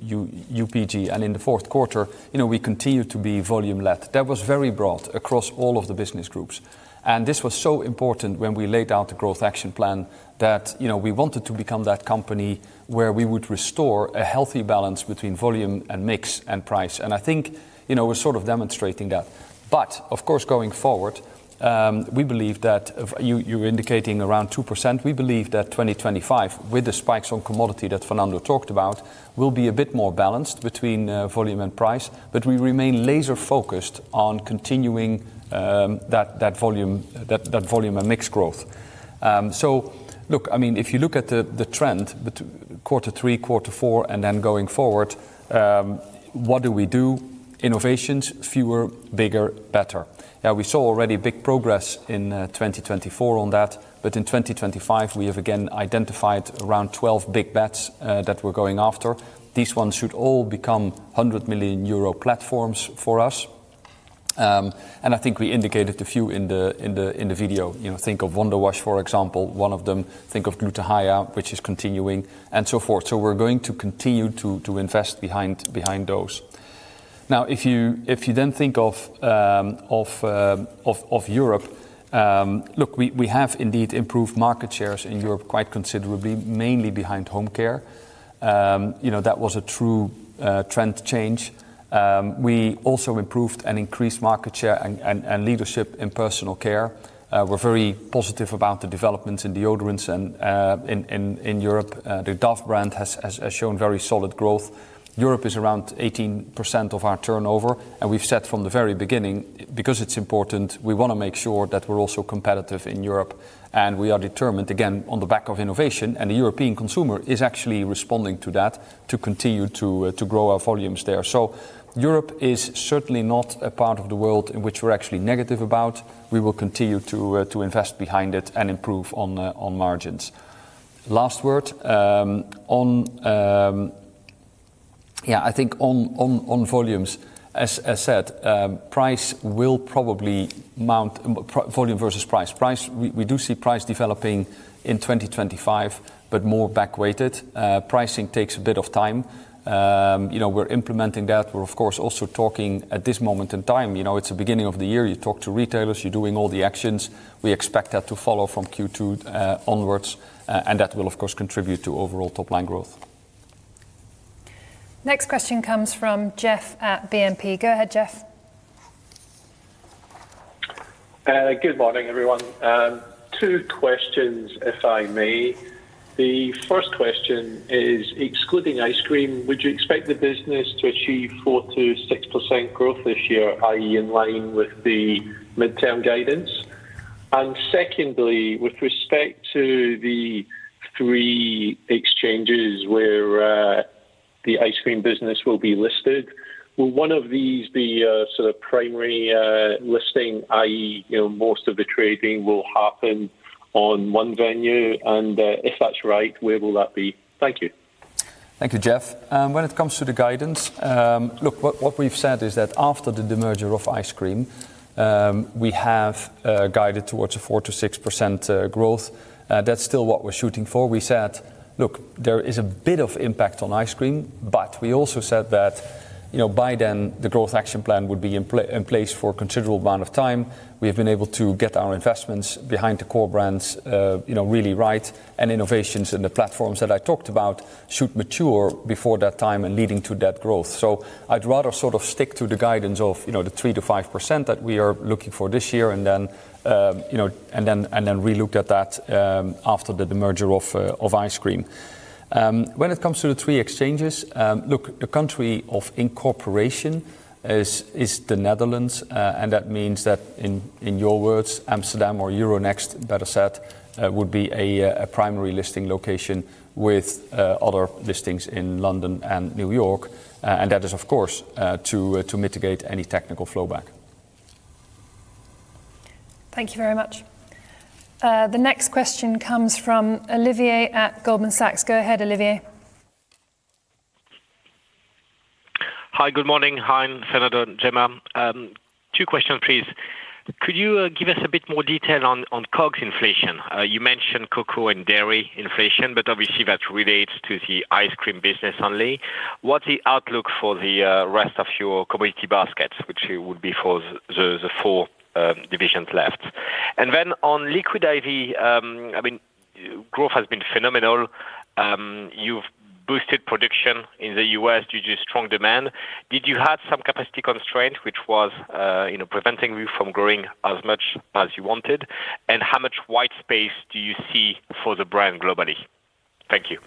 Speaker 3: UPG. And in the fourth quarter, we continued to be volume-led. That was very broad across all of the Business Groups. And this was so important when we laid out the Growth Action Plan that we wanted to become that company where we would restore a healthy balance between volume and mix and price. And I think we're sort of demonstrating that. But of course, going forward, we believe that you're indicating around 2%. We believe that 2025, with the spikes on commodity that Fernando talked about, will be a bit more balanced between volume and price, but we remain laser-focused on continuing that volume and mix growth. So look, I mean, if you look at the trend, quarter three, quarter four, and then going forward, what do we do? Innovations, fewer, bigger, better. Yeah, we saw already big progress in 2024 on that, but in 2025, we have again identified around 12 big bets that we're going after. These ones should all become 100 million euro platforms for us. And I think we indicated a few in the video. Think of Wonder Wash, for example, one of them. Think of Gluta-Hya, which is continuing, and so forth. So we're going to continue to invest behind those. Now, if you then think of Europe, look, we have indeed improved market shares in Europe quite considerably, mainly behind Home Care. That was a true trend change. We also improved and increased market share and leadership in Personal Care. We're very positive about the developments in deodorants in Europe. The Dove brand has shown very solid growth. Europe is around 18% of our turnover, and we've said from the very beginning, because it's important, we want to make sure that we're also competitive in Europe. And we are determined, again, on the back of innovation, and the European consumer is actually responding to that to continue to grow our volumes there. So Europe is certainly not a part of the world in which we're actually negative about. We will continue to invest behind it and improve on margins. Last word on, yeah, I think on volumes, as I said, price will probably mount volume versus price. Price, we do see price developing in 2025, but more back-weighted. Pricing takes a bit of time. We're implementing that. We're, of course, also talking at this moment in time. It's the beginning of the year. You talk to retailers, you're doing all the actions. We expect that to follow from Q2 onwards, and that will, of course, contribute to overall top-line growth.
Speaker 4: Next question comes from Jeff at BNP. Go ahead, Jeff. Good morning, everyone. Two questions, if I may. The first question is, excluding Ice Cream, would you expect the business to achieve 4% to 6% growth this year, i.e., in line with the midterm guidance? Secondly, with respect to the three exchanges where the Ice Cream business will be listed, will one of these be sort of primary listing, i.e., most of the trading will happen on one venue? And if that's right, where will that be? Thank you.
Speaker 3: Thank you, Jeff. When it comes to the guidance, look, what we've said is that after the demerger of Ice Cream, we have guided towards a 4% to 6% growth. That's still what we're shooting for. We said, look, there is a bit of impact on Ice Cream, but we also said that by then, the Growth Action Plan would be in place for a considerable amount of time. We have been able to get our investments behind the core brands really right, and innovations in the platforms that I talked about should mature before that time and leading to that growth. So I'd rather sort of stick to the guidance of the 3% to 5% that we are looking for this year and then relook at that after the demerger of Ice Cream. When it comes to the three exchanges, look, the country of incorporation is the Netherlands, and that means that in your words, Amsterdam or Euronext, better said, would be a primary listing location with other listings in London and New York. And that is, of course, to mitigate any technical flowback.
Speaker 4: Thank you very much. The next question comes from Olivier at Goldman Sachs. Go ahead, Olivier. Hi, good morning. Hi, Gemma. Two questions, please. Could you give us a bit more detail on COGS inflation? You mentioned cocoa and dairy inflation, but obviously, that relates to the Ice Cream business only. What's the outlook for the rest of your commodity baskets, which would be for the four divisions left? And then on Liquid I.V., I mean, growth has been phenomenal. You've boosted production in the U.S. due to strong demand. Did you have some capacity constraint, which was preventing you from growing as much as you wanted? And how much white space do you see for the brand globally? Thank you.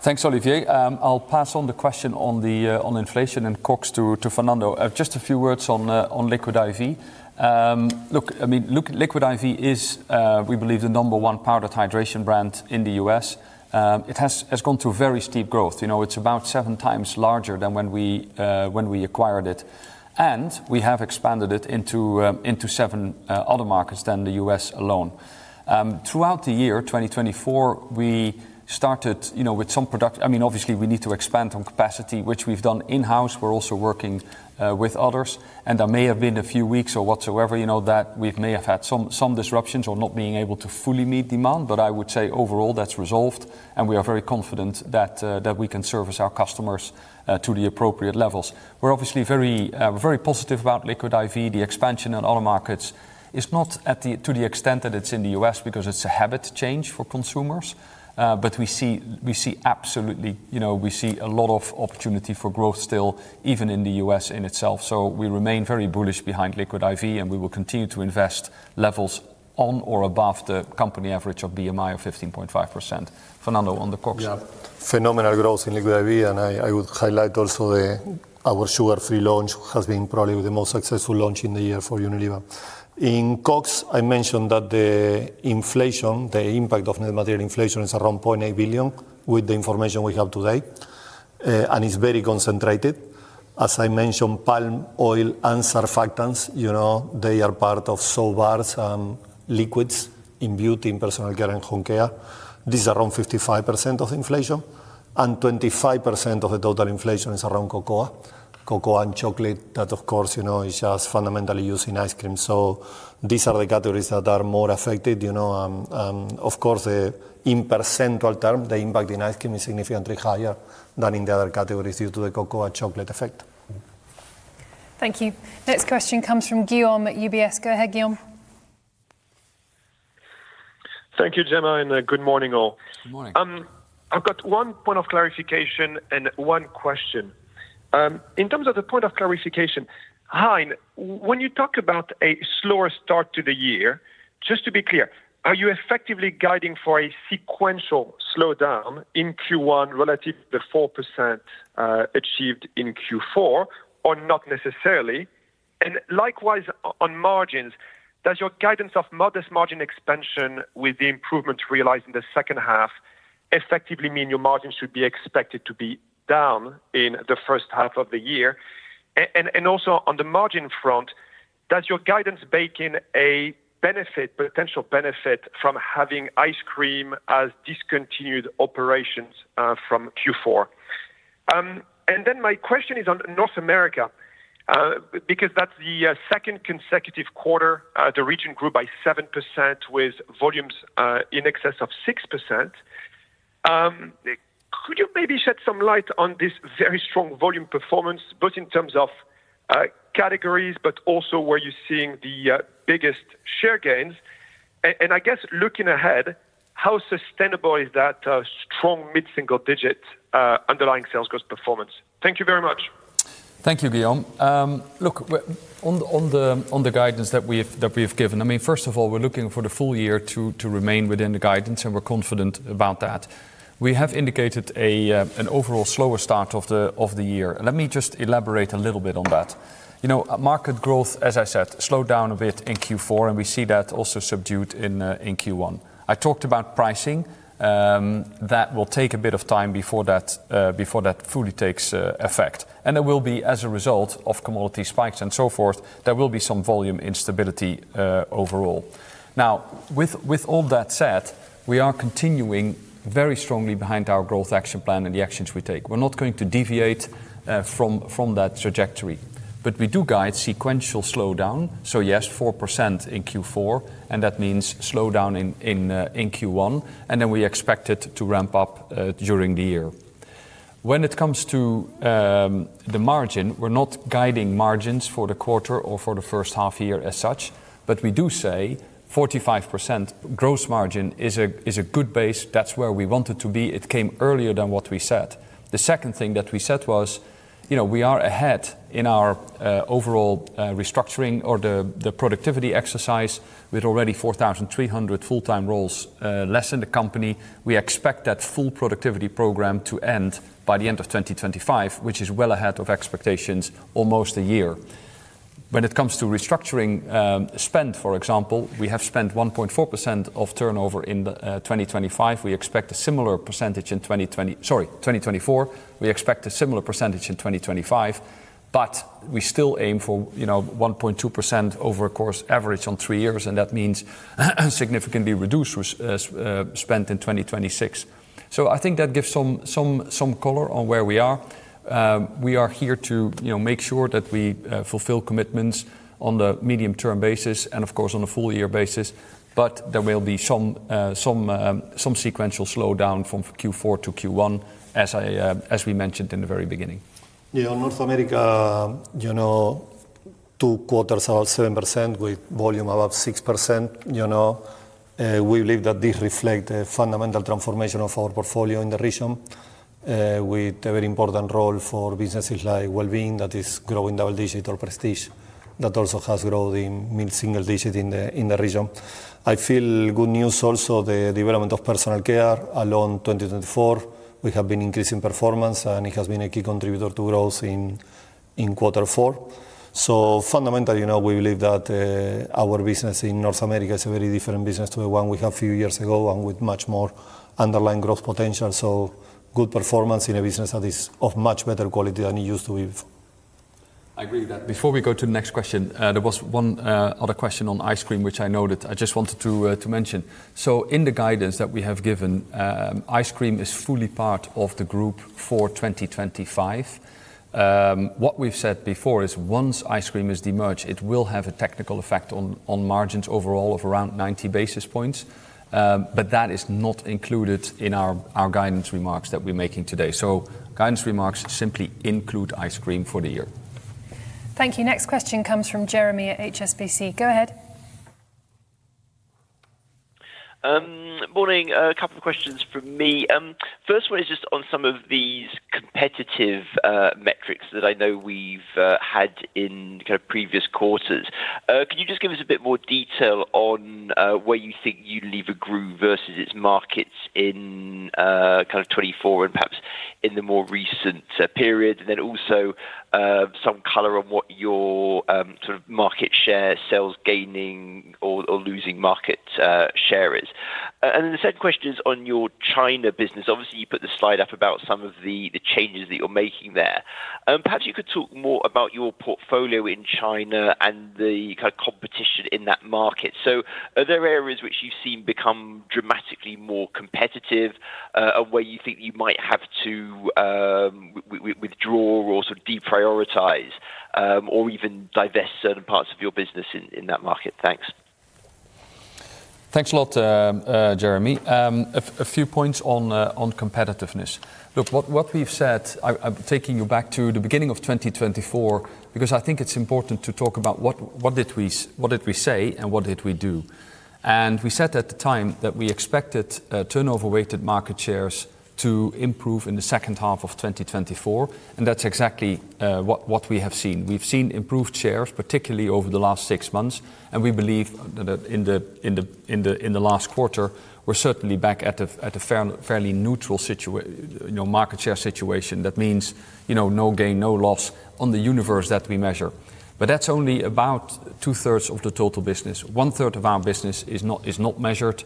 Speaker 3: Thanks, Olivier. I'll pass on the question on inflation and COGS to Fernando. Just a few words on Liquid I.V. Look, I mean, Liquid I.V. is, we believe, the number one powdered hydration brand in the U.S.. It has gone to very steep growth. It's about seven times larger than when we acquired it. And we have expanded it into seven other markets than the U.S. alone. Throughout the year 2024, we started with some production. I mean, obviously, we need to expand on capacity, which we've done in-house. We're also working with others. And there may have been a few weeks or whatsoever that we may have had some disruptions or not being able to fully meet demand, but I would say overall, that's resolved. And we are very confident that we can service our customers to the appropriate levels. We're obviously very positive about Liquid I.V. The expansion in other markets is not to the extent that it's in the U.S. because it's a habit change for consumers. But we see absolutely, we see a lot of opportunity for growth still, even in the U.S. in itself. So we remain very bullish behind Liquid I.V., and we will continue to invest levels on or above the company average of BMI of 15.5%. Fernando, on the COGS?
Speaker 2: Yeah, phenomenal growth in Liquid I.V., and I would highlight also our sugar-free launch, which has been probably the most successful launch in the year for Unilever. In COGS, I mentioned that the inflation, the impact of net material inflation is around 0.8 billion with the information we have today, and it's very concentrated. As I mentioned, palm oil and surfactants, they are part of soaps and liquids in beauty, in Personal Care and Home Care. This is around 55% of the inflation, and 25% of the total inflation is cocoa, cocoa and chocolate that, of course, is just fundamentally used in Ice Cream. So these are the categories that are more affected. Of course, in percentage terms, the impact in Ice Cream is significantly higher than in the other categories due to the cocoa and chocolate effect.
Speaker 4: Thank you. Next question comes from Guillaume at UBS. Go ahead, Guillaume. Thank you, Gemma, and good morning, all. Good morning. I've got one point of clarification and one question. In terms of the point of clarification, Hein, when you talk about a slower start to the year, just to be clear, are you effectively guiding for a sequential slowdown in Q1 relative to the 4% achieved in Q4 or not necessarily? And likewise, on margins, does your guidance of modest margin expansion with the improvement realized in the second half effectively mean your margins should be expected to be down in the first half of the year? And also on the margin front, does your guidance bake in a potential benefit from having Ice Cream as discontinued operations from Q4? And then my question is on North America because that's the second consecutive quarter, the region grew by 7% with volumes in excess of 6%. Could you maybe shed some light on this very strong volume performance, both in terms of categories but also where you're seeing the biggest share gains? And I guess looking ahead, how sustainable is that strong mid-single-digit underlying sales growth performance? Thank you very much.
Speaker 3: Thank you, Guillaume. Look, on the guidance that we've given, I mean, first of all, we're looking for the full year to remain within the guidance, and we're confident about that. We have indicated an overall slower start of the year. Let me just elaborate a little bit on that. Market growth, as I said, slowed down a bit in Q4, and we see that also subdued in Q1. I talked about pricing. That will take a bit of time before that fully takes effect. And there will be, as a result of commodity spikes and so forth, there will be some volume instability overall. Now, with all that said, we are continuing very strongly behind our Growth Action Plan and the actions we take. We're not going to deviate from that trajectory, but we do guide sequential slowdown, so yes, 4% in Q4, and that means slowdown in Q1, and then we expect it to ramp up during the year. When it comes to the margin, we're not guiding margins for the quarter or for the first half year as such, but we do say 45% gross margin is a good base. That's where we wanted to be. It came earlier than what we said. The second thing that we said was we are ahead in our overall restructuring or the productivity exercise with already 4,300 full-time roles less in the company. We expect that full productivity program to end by the end of 2025, which is well ahead of expectations, almost a year. When it comes to restructuring spend, for example, we have spent 1.4% of turnover in 2025. We expect a similar percentage in 2020, sorry, 2024. We expect a similar percentage in 2025, but we still aim for 1.2% over a course average on three years, and that means significantly reduced spend in 2026. So I think that gives some color on where we are. We are here to make sure that we fulfill commitments on the medium-term basis and, of course, on a full-year basis, but there will be some sequential slowdown from Q4 to Q1, as we mentioned in the very beginning.
Speaker 2: Yeah, North America, two quarters about 7% with volume about 6%. We believe that this reflects the fundamental transformation of our portfolio in the region with a very important role for businesses like Wellbeing that is growing double-digit or Prestige. That also has grown in mid-single digits in the region. It's good news also the development of Personal Care in 2024. We have been increasing performance, and it has been a key contributor to growth in quarter four. So fundamentally, we believe that our business in North America is a very different business to the one we had a few years ago and with much more underlying growth potential. So good performance in a business that is of much better quality than it used to be before.
Speaker 3: I agree with that. Before we go to the next question, there was one other question on Ice Cream, which I noted. I just wanted to mention. So in the guidance that we have given, Ice Cream is fully part of the group for 2025. What we've said before is once Ice Cream is de-merged, it will have a technical effect on margins overall of around 90 basis points, but that is not included in our guidance remarks that we're making today. So guidance remarks simply include Ice Cream for the year.
Speaker 4: Thank you. Next question comes from Jeremy at HSBC. Go ahead. Morning. A couple of questions for me. First one is just on some of these competitive metrics that I know we've had in kind of previous quarters. Could you just give us a bit more detail on where you think Unilever grew versus its markets in kind of 2024 and perhaps in the more recent period? And then also some color on what your sort of market share sales gaining or losing market share is. And then the second question is on your China business. Obviously, you put the slide up about some of the changes that you're making there. Perhaps you could talk more about your portfolio in China and the kind of competition in that market. So are there areas which you've seen become dramatically more competitive and where you think you might have to withdraw or sort of deprioritize or even divest certain parts of your business in that market? Thanks.
Speaker 3: Thanks a lot, Jeremy. A few points on competitiveness. Look, what we've said, I'm taking you back to the beginning of 2024 because I think it's important to talk about what did we say and what did we do. And we said at the time that we expected turnover-weighted market shares to improve in the second half of 2024, and that's exactly what we have seen. We've seen improved shares, particularly over the last six months, and we believe that in the last quarter, we're certainly back at a fairly neutral market share situation. That means no gain, no loss on the universe that we measure. But that's only about two-thirds of the total business. One-third of our business is not measured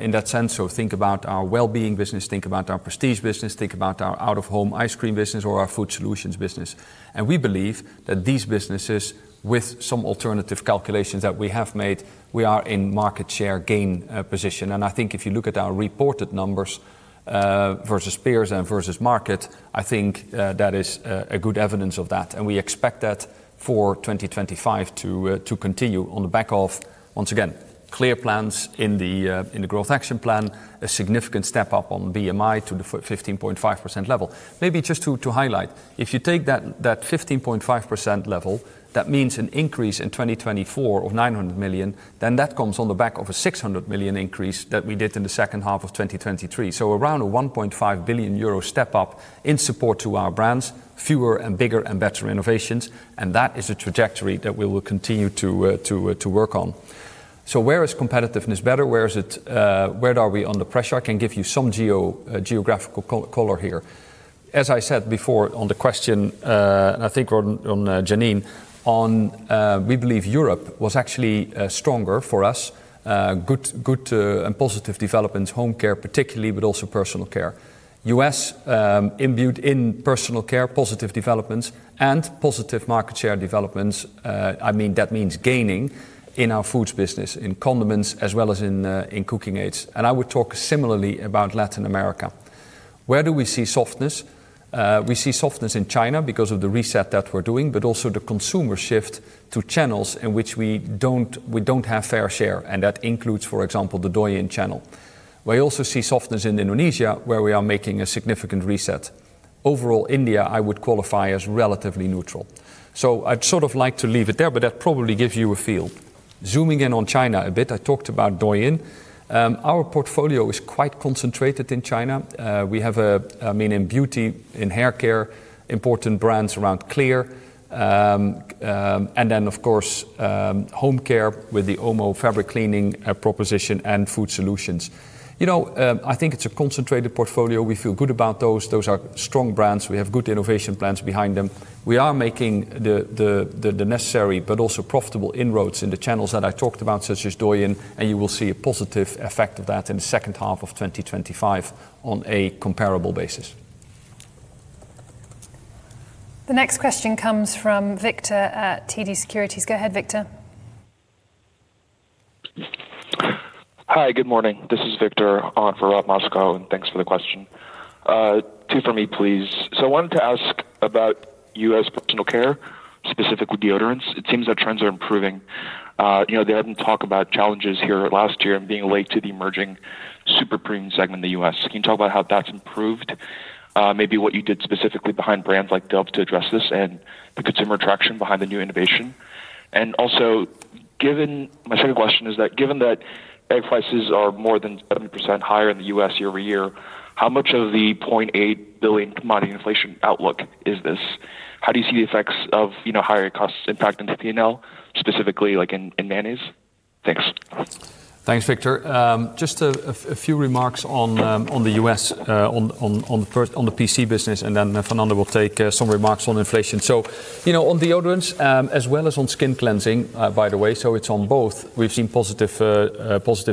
Speaker 3: in that sense. So think about our wellbeing business, think about our Prestige business, think about our out-of-home Ice Cream business or our Food Solutions business. And we believe that these businesses, with some alternative calculations that we have made, we are in market share gain position. And I think if you look at our reported numbers versus peers and versus market, I think that is good evidence of that. We expect that for 2025 to continue on the back of, once again, clear plans in the Growth Action Plan, a significant step up on BMI to the 15.5% level. Maybe just to highlight, if you take that 15.5% level, that means an increase in 2024 of 900 million, then that comes on the back of a 600 million increase that we did in the second half of 2023. So around a 1.5 billion euro step up in support to our brands, fewer and bigger and better innovations, and that is a trajectory that we will continue to work on. So where is competitiveness better? Where are we under pressure? I can give you some geographical color here. As I said before on the question, and I think on Hein, we believe Europe was actually stronger for us, good and positive developments, Home Care particularly, but also Personal Care. USG in Personal Care, positive developments, and positive market share developments. I mean, that means gaining in our foods business, in condiments as well as in cooking aids. And I would talk similarly about Latin America. Where do we see softness? We see softness in China because of the reset that we're doing, but also the consumer shift to channels in which we don't have fair share. And that includes, for example, the Douyin channel. We also see softness in Indonesia where we are making a significant reset. Overall, India, I would qualify as relatively neutral. So I'd sort of like to leave it there, but that probably gives you a feel. Zooming in on China a bit, I talked about Douyin. Our portfolio is quite concentrated in China. We have a main in beauty, in hair care, important brands around Clear, and then, of course, Home Care with the OMO fabric cleaning proposition and Food Solutions. I think it's a concentrated portfolio. We feel good about those. Those are strong brands. We have good innovation plans behind them. We are making the necessary but also profitable inroads in the channels that I talked about, such as Douyin, and you will see a positive effect of that in the second half of 2025 on a comparable basis.
Speaker 4: The next question comes from Victor at TD Securities. Go ahead, Victor. Hi, good morning. This is Victor on for Rob Moskow, and thanks for the question. Two for me, please. So I wanted to ask about US Personal Care, specifically deodorants. It seems that trends are improving. They hadn't talked about challenges here last year and being late to the emerging superpremium segment in the U.S.. Can you talk about how that's improved? Maybe what you did specifically behind brands like Dove to address this and the consumer traction behind the new innovation. And also, my second question is that given that egg prices are more than 70% higher in the U.S. year-over-year, how much of the €0.8 billion commodity inflation outlook is this? How do you see the effects of higher costs impacting the P&L, specifically like in mayonnaise? Thanks.
Speaker 3: Thanks, Victor. Just a few remarks on the U.S., on the PC business, and then Fernando will take some remarks on inflation. On deodorants, as well as on skin cleansing, by the way, so it's on both, we've seen positive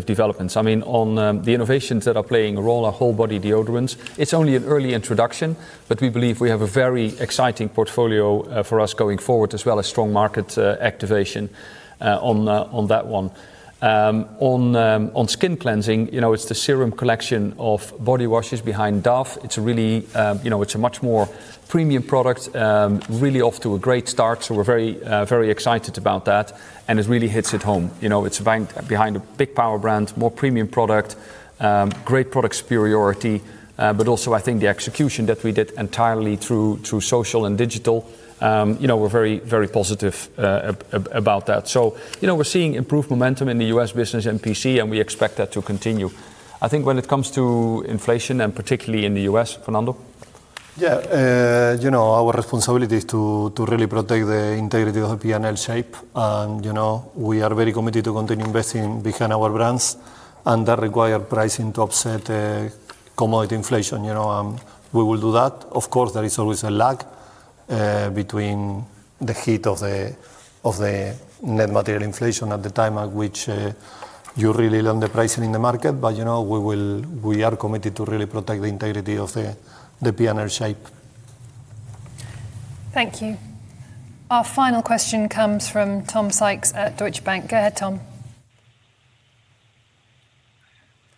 Speaker 3: developments. I mean, on the innovations that are playing a role, our whole body deodorants, it's only an early introduction, but we believe we have a very exciting portfolio for us going forward, as well as strong market activation on that one. On skin cleansing, it's the serum collection of body washes behind Dove. It's a much more premium product, really off to a great start. So we're very excited about that, and it really hits it home. It's behind a big power brand, more premium product, great product superiority, but also, I think the execution that we did entirely through social and digital, we're very positive about that. So we're seeing improved momentum in the U.S. business and PC, and we expect that to continue. I think when it comes to inflation and particularly in the U.S., Fernando Fernández?
Speaker 2: Yeah, our responsibility is to really protect the integrity of the P&L shape. We are very committed to continue investing behind our brands, and that requires pricing to offset commodity inflation. We will do that. Of course, there is always a lag between the hit of the net material inflation at the time at which you really land the pricing in the market, but we are committed to really protect the integrity of the P&L shape.
Speaker 4: Thank you. Our final question comes from Tom Sykes at Deutsche Bank. Go ahead, Tom.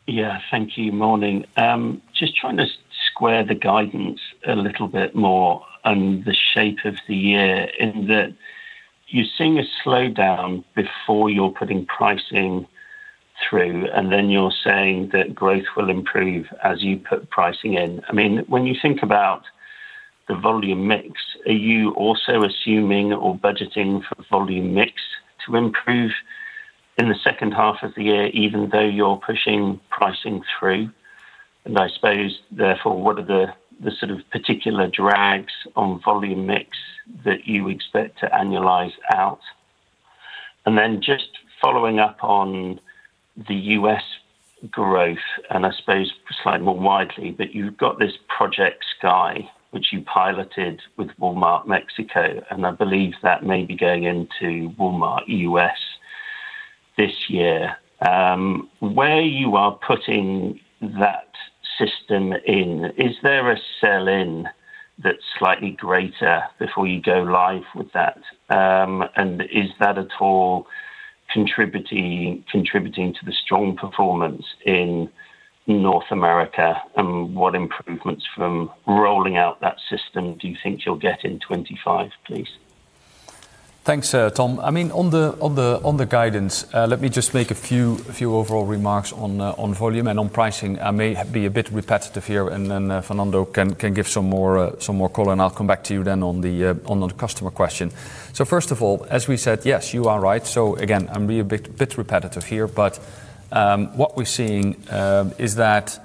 Speaker 5: Yeah, thank you. Morning. Just trying to square the guidance a little bit more and the shape of the year in that you're seeing a slowdown before you're putting pricing through, and then you're saying that growth will improve as you put pricing in. I mean, when you think about the volume mix, are you also assuming or budgeting for volume mix to improve in the second half of the year, even though you're pushing pricing through? And I suppose, therefore, what are the sort of particular drags on volume mix that you expect to annualize out? And then just following up on the U.S. growth, and I suppose slightly more widely, but you've got this Project Sky, which you piloted with Walmart Mexico, and I believe that may be going into Walmart U.S. this year. Where you are putting that system in, is there a sell-in that's slightly greater before you go live with that? And is that at all contributing to the strong performance in North America? And what improvements from rolling out that system do you think you'll get in 2025, please?
Speaker 3: Thanks, Tom. I mean, on the guidance, let me just make a few overall remarks on volume and on pricing. I may be a bit repetitive here, and then Fernando can give some more color, and I'll come back to you then on the customer question. So first of all, as we said, yes, you are right. So again, I'm being a bit repetitive here, but what we're seeing is that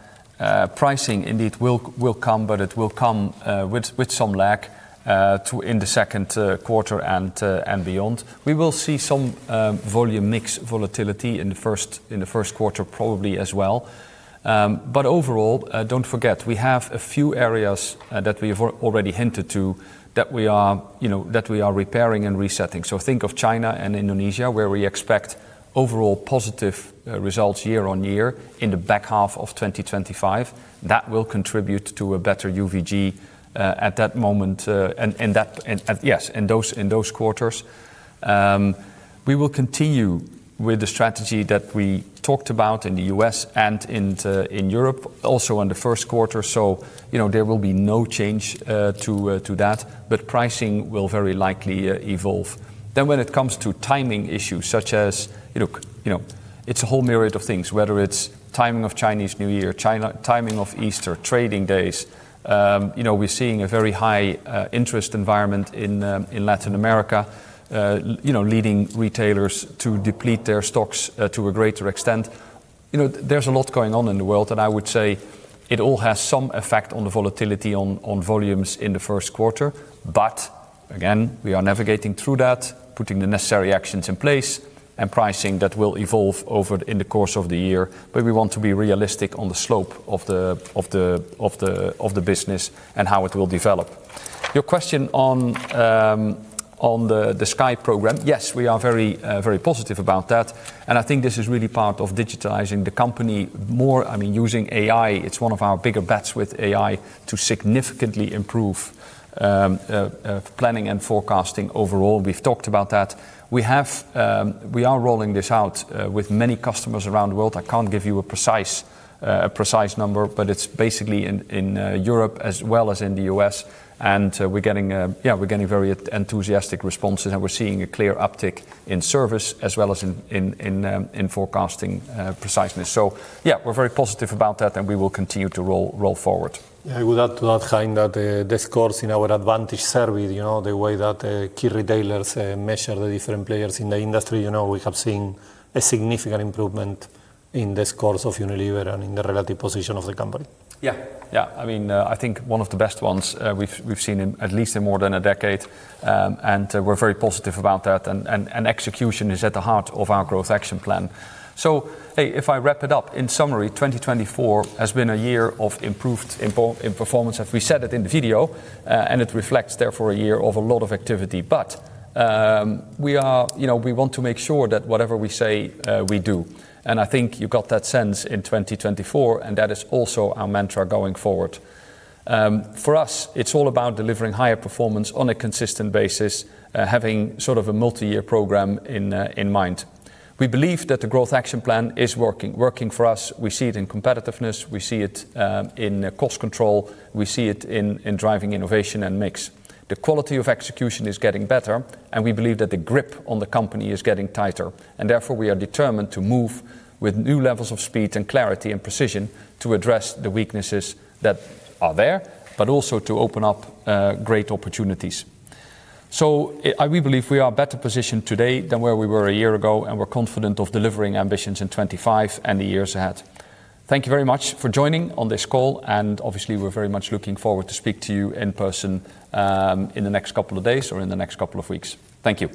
Speaker 3: pricing indeed will come, but it will come with some lag in the second quarter and beyond. We will see some volume mix volatility in the first quarter probably as well. But overall, don't forget, we have a few areas that we have already hinted to that we are repairing and resetting. So think of China and Indonesia where we expect overall positive results year on year in the back half of 2025. That will contribute to a better UVG at that moment, yes, in those quarters. We will continue with the strategy that we talked about in the U.S. and in Europe also in the first quarter. So there will be no change to that, but pricing will very likely evolve. Then when it comes to timing issues such as it's a whole myriad of things, whether it's timing of Chinese New Year, timing of Easter, trading days, we're seeing a very high interest environment in Latin America, leading retailers to deplete their stocks to a greater extent. There's a lot going on in the world, and I would say it all has some effect on the volatility in volumes in the first quarter. But again, we are navigating through that, putting the necessary actions in place and pricing that will evolve over the course of the year. But we want to be realistic on the slope of the business and how it will develop. Your question on Project Sky, yes, we are very positive about that. And I think this is really part of digitizing the company more. I mean, using AI, it's one of our bigger bets with AI to significantly improve planning and forecasting overall. We've talked about that. We are rolling this out with many customers around the world. I can't give you a precise number, but it's basically in Europe as well as in the U.S.. And yeah, we're getting very enthusiastic responses, and we're seeing a clear uptick in service as well as in forecasting preciseness. So yeah, we're very positive about that, and we will continue to roll forward.
Speaker 2: Yeah, with that, Hein, that score in our Advantage survey, the way that key retailers measure the different players in the industry, we have seen a significant improvement in this score of Unilever and in the relative position of the company.
Speaker 3: Yeah, yeah. I mean, I think one of the best ones we've seen in at least more than a decade, and we're very positive about that. And execution is at the heart of our Growth Action Plan. So if I wrap it up, in summary, 2024 has been a year of improved performance. As we said in the video, and it reflects therefore a year of a lot of activity. But we want to make sure that whatever we say, we do. And I think you got that sense in 2024, and that is also our mantra going forward. For us, it's all about delivering higher performance on a consistent basis, having sort of a multi-year program in mind. We believe that the Growth Action Plan is working for us. We see it in competitiveness. We see it in cost control. We see it in driving innovation and mix. The quality of execution is getting better, and we believe that the grip on the company is getting tighter. And therefore, we are determined to move with new levels of speed and clarity and precision to address the weaknesses that are there, but also to open up great opportunities. So we believe we are better positioned today than where we were a year ago, and we're confident of delivering ambitions in 2025 and the years ahead. Thank you very much for joining on this call, and obviously, we're very much looking forward to speaking to you in person in the next couple of days or in the next couple of weeks. Thank you.